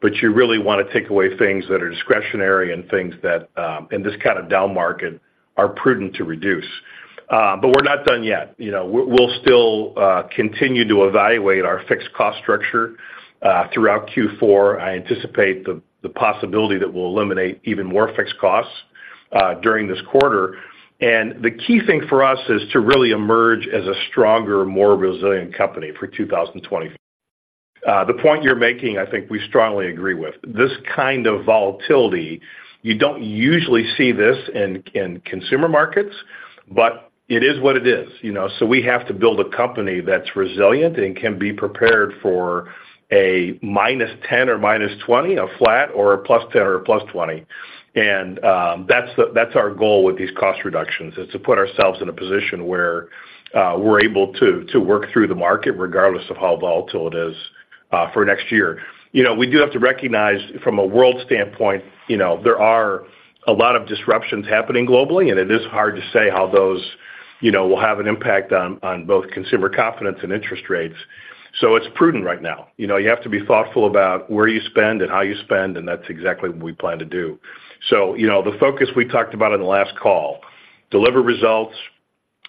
but you really wanna take away things that are discretionary and things that, in this kind of down market, are prudent to reduce. But we're not done yet. You know, we'll still continue to evaluate our fixed cost structure throughout Q4. I anticipate the possibility that we'll eliminate even more fixed costs during this quarter. The key thing for us is to really emerge as a stronger, more resilient company for 2024. The point you're making, I think we strongly agree with. This kind of volatility, you don't usually see this in, in consumer markets, but it is what it is, you know? So we have to build a company that's resilient and can be prepared for a -10 or -20, a flat or a +10 or a +20. And that's our goal with these cost reductions, is to put ourselves in a position where we're able to work through the market, regardless of how volatile it is, for next year. You know, we do have to recognize from a world standpoint, you know, there are a lot of disruptions happening globally, and it is hard to say how those, you know, will have an impact on both consumer confidence and interest rates. So it's prudent right now. You know, you have to be thoughtful about where you spend and how you spend, and that's exactly what we plan to do. So, you know, the focus we talked about in the last call, deliver results,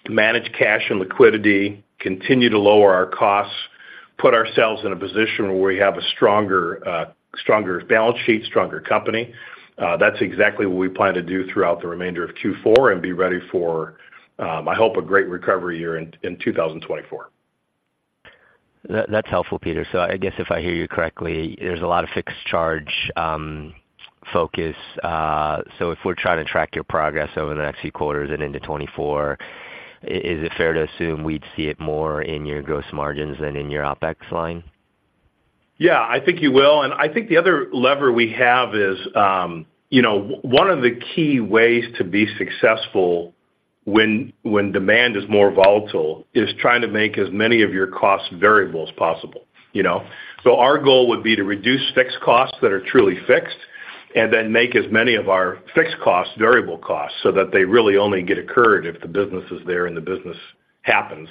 manage cash and liquidity, continue to lower our costs, put ourselves in a position where we have a stronger stronger balance sheet, stronger company. That's exactly what we plan to do throughout the remainder of Q4 and be ready for, I hope, a great recovery year in 2024. That, that's helpful, Peter. So I guess if I hear you correctly, there's a lot of fixed charge focus, so if we're trying to track your progress over the next few quarters and into 2024, is it fair to assume we'd see it more in your gross margins than in your OpEx line? Yeah, I think you will. And I think the other lever we have is, you know, one of the key ways to be successful when demand is more volatile, is trying to make as many of your costs variable as possible, you know? So our goal would be to reduce fixed costs that are truly fixed, and then make as many of our fixed costs, variable costs, so that they really only get occurred if the business is there and the business happens.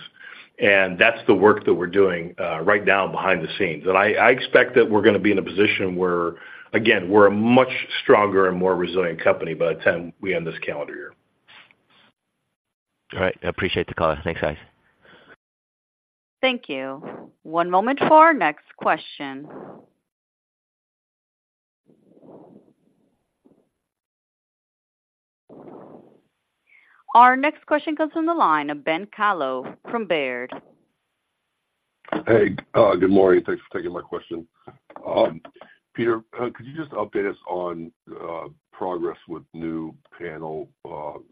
And that's the work that we're doing right now behind the scenes. And I expect that we're gonna be in a position where, again, we're a much stronger and more resilient company by the time we end this calendar year. All right. I appreciate the call. Thanks, guys. Thank you. One moment for our next question. Our next question comes from the line of Ben Kallo from Baird. Hey, good morning. Thanks for taking my question. Peter, could you just update us on progress with new panel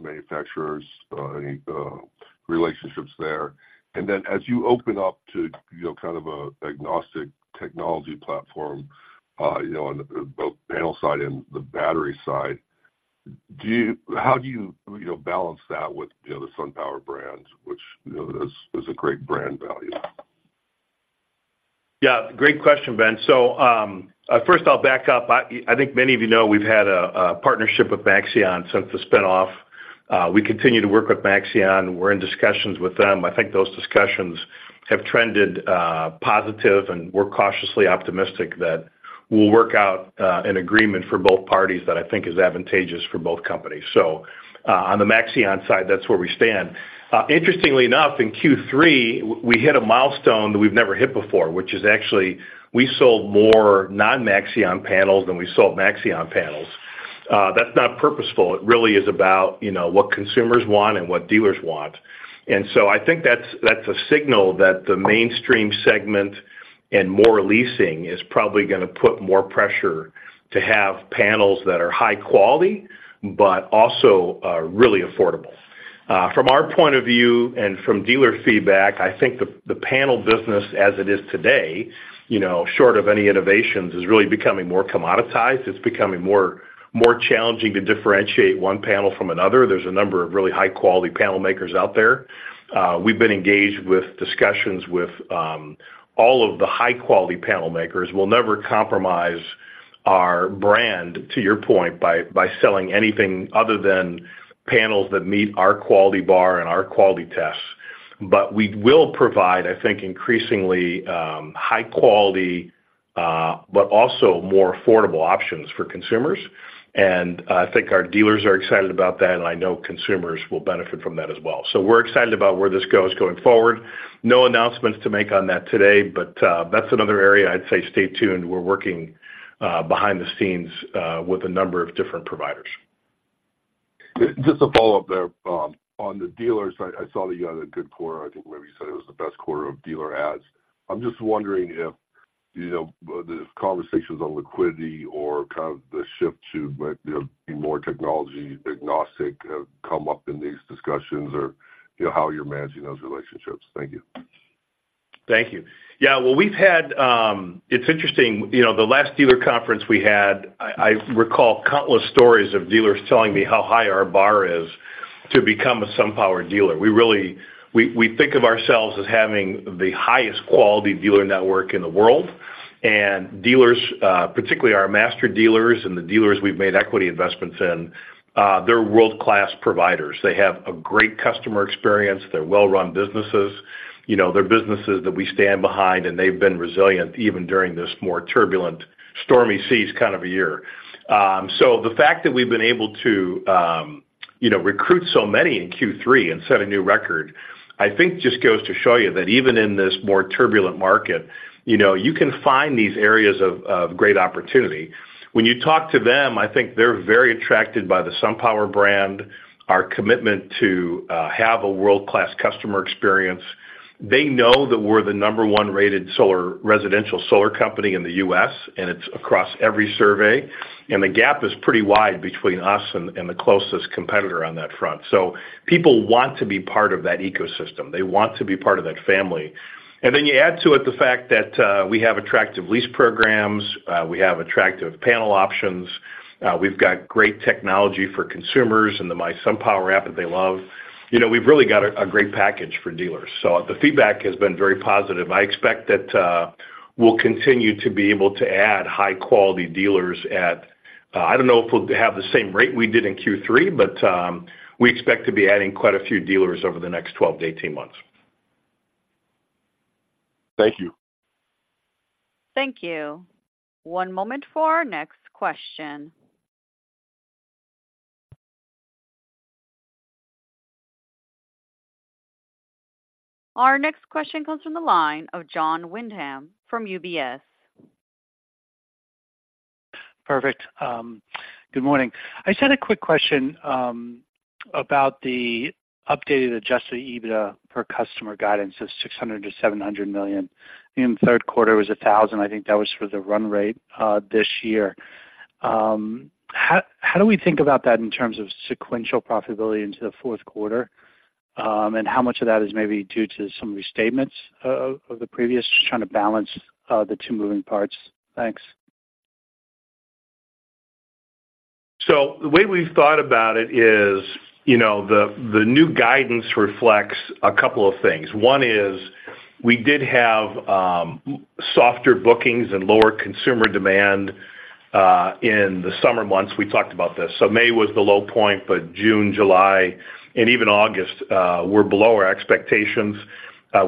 manufacturers, any relationships there? And then, as you open up to, you know, kind of a agnostic technology platform, you know, on both panel side and the battery side, do you—how do you, you know, balance that with, you know, the SunPower brands, which, you know, is, is a great brand value? Yeah, great question, Ben. So, first I'll back up. I think many of you know, we've had a partnership with Maxeon since the spin-off. We continue to work with Maxeon. We're in discussions with them. I think those discussions have trended positive, and we're cautiously optimistic that we'll work out an agreement for both parties that I think is advantageous for both companies. So, on the Maxeon side, that's where we stand. Interestingly enough, in Q3, we hit a milestone that we've never hit before, which is actually, we sold more non-Maxeon panels than we sold Maxeon panels. That's not purposeful. It really is about, you know, what consumers want and what dealers want. And so I think that's a signal that the mainstream segment and more leasing is probably gonna put more pressure to have panels that are high quality, but also really affordable. From our point of view and from dealer feedback, I think the panel business as it is today, you know, short of any innovations, is really becoming more commoditized. It's becoming more challenging to differentiate one panel from another. There's a number of really high-quality panel makers out there. We've been engaged with discussions with all of the high-quality panel makers. We'll never compromise our brand, to your point, by selling anything other than panels that meet our quality bar and our quality tests. But we will provide, I think, increasingly high quality but also more affordable options for consumers. I think our dealers are excited about that, and I know consumers will benefit from that as well. So we're excited about where this goes going forward. No announcements to make on that today, but that's another area I'd say stay tuned. We're working behind the scenes with a number of different providers. Just a follow-up there. On the dealers, I saw that you had a good quarter. I think maybe you said it was the best quarter of dealer adds. I'm just wondering if, you know, the conversations on liquidity or kind of the shift to might, you know, be more technology agnostic have come up in these discussions or, you know, how you're managing those relationships. Thank you. Thank you. Yeah, well, we've had, it's interesting, you know, the last dealer conference we had, I recall countless stories of dealers telling me how high our bar is to become a SunPower dealer. We really, we think of ourselves as having the highest quality dealer network in the world, and dealers, particularly our master dealers and the dealers we've made equity investments in, they're world-class providers. They have a great customer experience. They're well-run businesses. You know, they're businesses that we stand behind, and they've been resilient even during this more turbulent, stormy seas kind of a year. So the fact that we've been able to, you know, recruit so many in Q3 and set a new record, I think just goes to show you that even in this more turbulent market, you know, you can find these areas of great opportunity. When you talk to them, I think they're very attracted by the SunPower brand, our commitment to have a world-class customer experience. They know that we're the number one-rated solar, residential solar company in the U.S., and it's across every survey, and the gap is pretty wide between us and the closest competitor on that front. So people want to be part of that ecosystem. They want to be part of that family. Then you add to it the fact that we have attractive lease programs, we have attractive panel options, we've got great technology for consumers and the mySunPower app that they love. You know, we've really got a great package for dealers. The feedback has been very positive. I expect that we'll continue to be able to add high-quality dealers at, I don't know if we'll have the same rate we did in Q3, but we expect to be adding quite a few dealers over the next 12-18 months. Thank you. Thank you. One moment for our next question. Our next question comes from the line of Jon Windham from UBS. Perfect. Good morning. I just had a quick question about the updated Adjusted EBITDA per customer guidance of $600 million-$700 million. In the third quarter, it was $1,000. I think that was for the run rate this year. How do we think about that in terms of sequential profitability into the fourth quarter? And how much of that is maybe due to some restatements of the previous? Just trying to balance the two moving parts. Thanks. So the way we've thought about it is, you know, the new guidance reflects a couple of things. One is, we did have softer bookings and lower consumer demand in the summer months. We talked about this. So May was the low point, but June, July, and even August were below our expectations.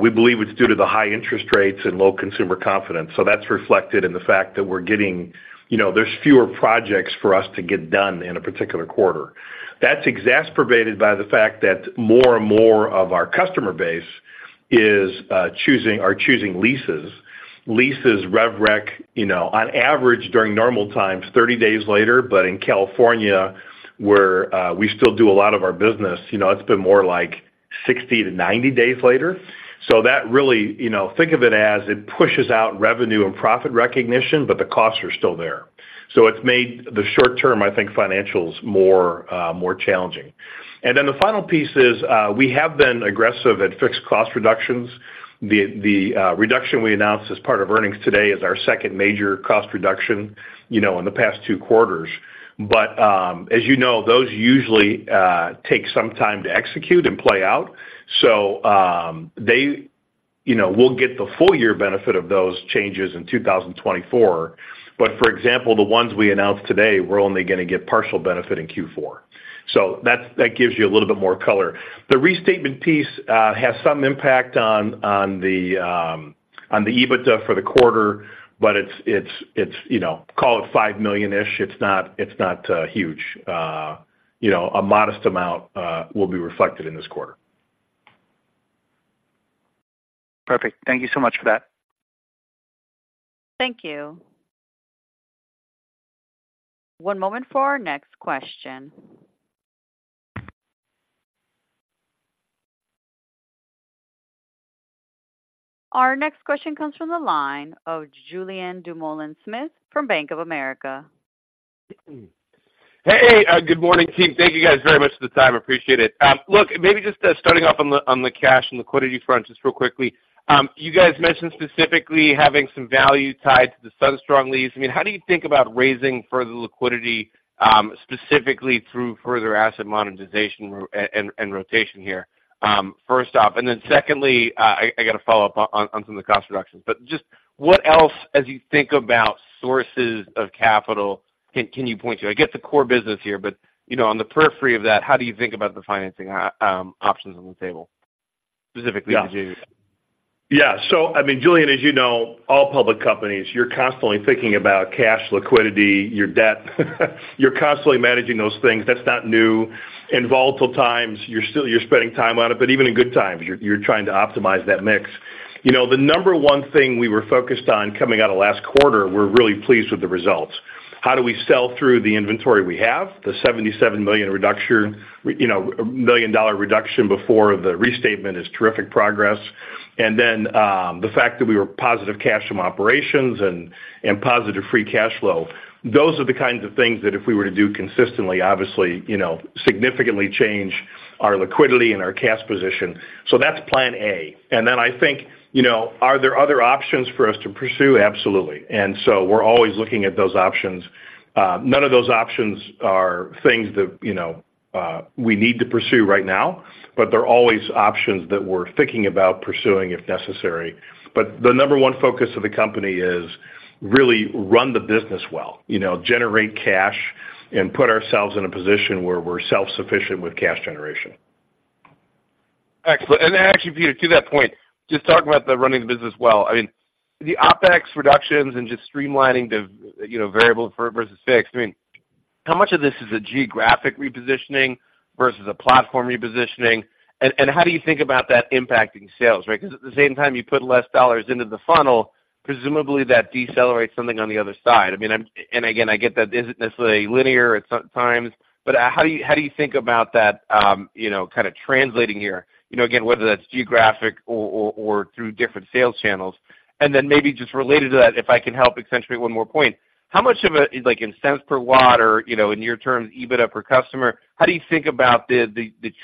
We believe it's due to the high interest rates and low consumer confidence. So that's reflected in the fact that we're getting. You know, there's fewer projects for us to get done in a particular quarter. That's exacerbated by the fact that more and more of our customer base is choosing- are choosing leases. Leases rev rec, you know, on average, during normal times, 30 days later, but in California, where we still do a lot of our business, you know, it's been more like 60-90 days later. So that really, you know, think of it as it pushes out revenue and profit recognition, but the costs are still there. So it's made the short term, I think, financials more, more challenging. And then the final piece is, we have been aggressive at fixed cost reductions. The reduction we announced as part of earnings today is our second major cost reduction, you know, in the past two quarters. But, as you know, those usually take some time to execute and play out. So, they, you know, we'll get the full year benefit of those changes in 2024. But for example, the ones we announced today, we're only gonna get partial benefit in Q4. So that gives you a little bit more color. The restatement piece has some impact on the EBITDA for the quarter, but it's, you know, call it $5 million-ish. It's not huge. You know, a modest amount will be reflected in this quarter. Perfect. Thank you so much for that. Thank you. One moment for our next question. Our next question comes from the line of Julien Dumoulin-Smith from Bank of America. Hey, good morning, team. Thank you, guys, very much for the time, appreciate it. Look, maybe just starting off on the cash and liquidity front, just real quickly. You guys mentioned specifically having some value tied to the SunStrong lease. I mean, how do you think about raising further liquidity, specifically through further asset monetization and rotation here? First off, and then secondly, I got to follow up on some of the cost reductions. But just what else, as you think about sources of capital, can you point to? I get the core business here, but, you know, on the periphery of that, how do you think about the financing options on the table, specifically as you do? Yeah. So I mean, Julien, as you know, all public companies, you're constantly thinking about cash liquidity, your debt. You're constantly managing those things. That's not new. In volatile times, you're still—you're spending time on it, but even in good times, you're, you're trying to optimize that mix. You know, the number one thing we were focused on coming out of last quarter, we're really pleased with the results. How do we sell through the inventory we have? The $77 million reduction, you know, million dollar reduction before the restatement is terrific progress. And then, the fact that we were positive cash from operations and, and positive free cash flow, those are the kinds of things that if we were to do consistently, obviously, you know, significantly change our liquidity and our cash position. So that's plan A. Then I think, you know, are there other options for us to pursue? Absolutely. So we're always looking at those options. None of those options are things that, you know, we need to pursue right now, but they're always options that we're thinking about pursuing if necessary. The number one focus of the company is really run the business well, you know, generate cash and put ourselves in a position where we're self-sufficient with cash generation. Excellent. And actually, Peter, to that point, just talking about the running the business well, I mean, the OpEx reductions and just streamlining the, you know, variable versus fixed, I mean, how much of this is a geographic repositioning versus a platform repositioning? And, and how do you think about that impacting sales, right? Because at the same time, you put less dollars into the funnel, presumably that decelerates something on the other side. I mean, I'm, and again, I get that it isn't necessarily linear at some times, but how do you, how do you think about that, you know, kind of translating here? You know, again, whether that's geographic or, or, or through different sales channels. Then maybe just related to that, if I can help accentuate one more point, how much of it, like in cents per watt or, you know, in your terms, EBITDA per customer, how do you think about the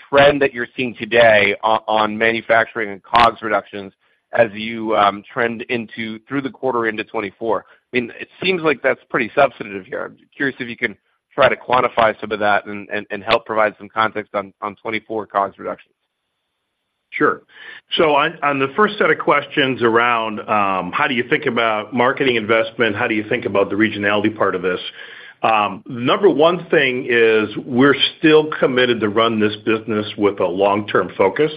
trend that you're seeing today on manufacturing and COGS reductions as you trend through the quarter into 2024? I mean, it seems like that's pretty substantive here. I'm curious if you can try to quantify some of that and help provide some context on 2024 COGS reductions. Sure. So on, on the first set of questions around, how do you think about marketing investment? How do you think about the regionality part of this? Number one thing is we're still committed to run this business with a long-term focus.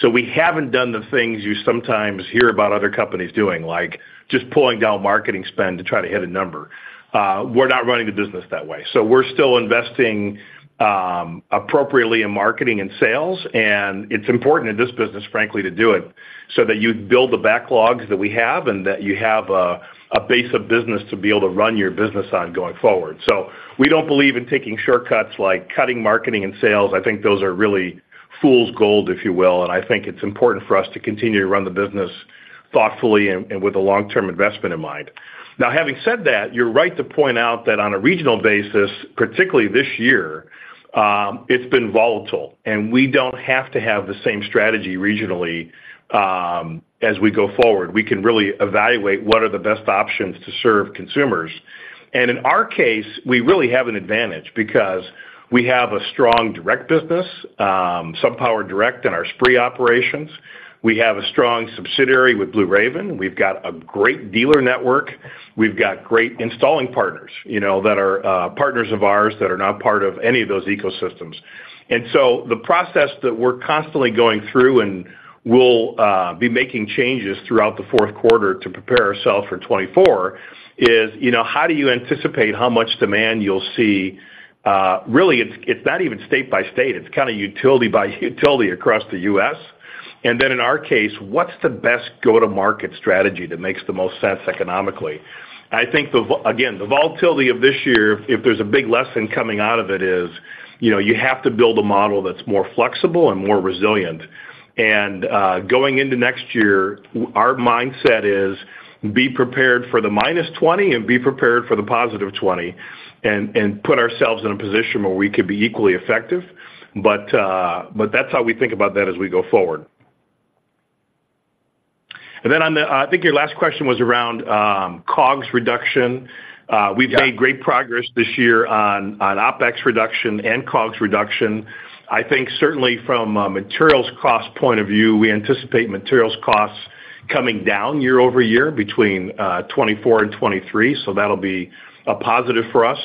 So we haven't done the things you sometimes hear about other companies doing, like just pulling down marketing spend to try to hit a number. We're not running the business that way. So we're still investing, appropriately in marketing and sales, and it's important in this business, frankly, to do it, so that you build the backlogs that we have and that you have a base of business to be able to run your business on going forward. So we don't believe in taking shortcuts, like cutting marketing and sales. I think those are really fool's gold, if you will, and I think it's important for us to continue to run the business thoughtfully and with a long-term investment in mind. Now, having said that, you're right to point out that on a regional basis, particularly this year, it's been volatile, and we don't have to have the same strategy regionally, as we go forward. We can really evaluate what are the best options to serve consumers. And in our case, we really have an advantage because we have a strong direct business, SunPower Direct and our SPRI operations. We have a strong subsidiary with Blue Raven. We've got a great dealer network. We've got great installing partners, you know, that are partners of ours that are not part of any of those ecosystems. So the process that we're constantly going through, and we'll be making changes throughout the fourth quarter to prepare ourselves for 2024, is, you know, how do you anticipate how much demand you'll see? Really, it's, it's not even state by state, it's kind of utility by utility across the U.S. And then in our case, what's the best go-to-market strategy that makes the most sense economically? I think the volatility again, if there's a big lesson coming out of it, is, you know, you have to build a model that's more flexible and more resilient. And going into next year, our mindset is be prepared for the -20 and be prepared for the +20, and put ourselves in a position where we could be equally effective. But that's how we think about that as we go forward. And then on the, I think your last question was around, COGS reduction. We've made great progress this year on OpEx reduction and COGS reduction. I think certainly from a materials cost point of view, we anticipate materials costs coming down year over year between 2024 and 2023, so that'll be a positive for us.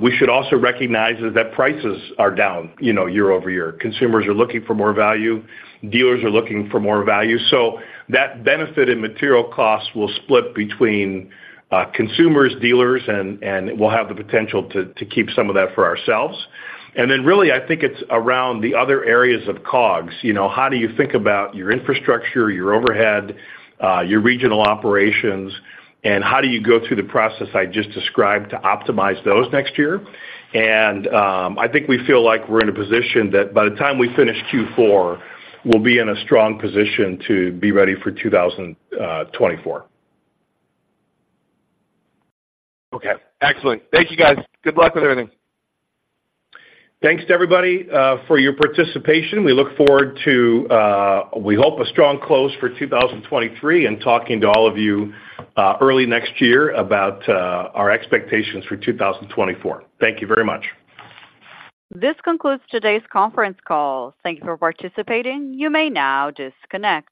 We should also recognize that prices are down, you know, year over year. Consumers are looking for more value. Dealers are looking for more value. So that benefit in material costs will split between consumers, dealers, and we'll have the potential to keep some of that for ourselves. And then, really, I think it's around the other areas of COGS. You know, how do you think about your infrastructure, your overhead, your regional operations, and how do you go through the process I just described to optimize those next year? I think we feel like we're in a position that by the time we finish Q4, we'll be in a strong position to be ready for 2024. Okay, excellent. Thank you, guys. Good luck with everything. Thanks to everybody for your participation. We look forward to, we hope, a strong close for 2023 and talking to all of you early next year about our expectations for 2024. Thank you very much. This concludes today's conference call. Thank you for participating. You may now disconnect.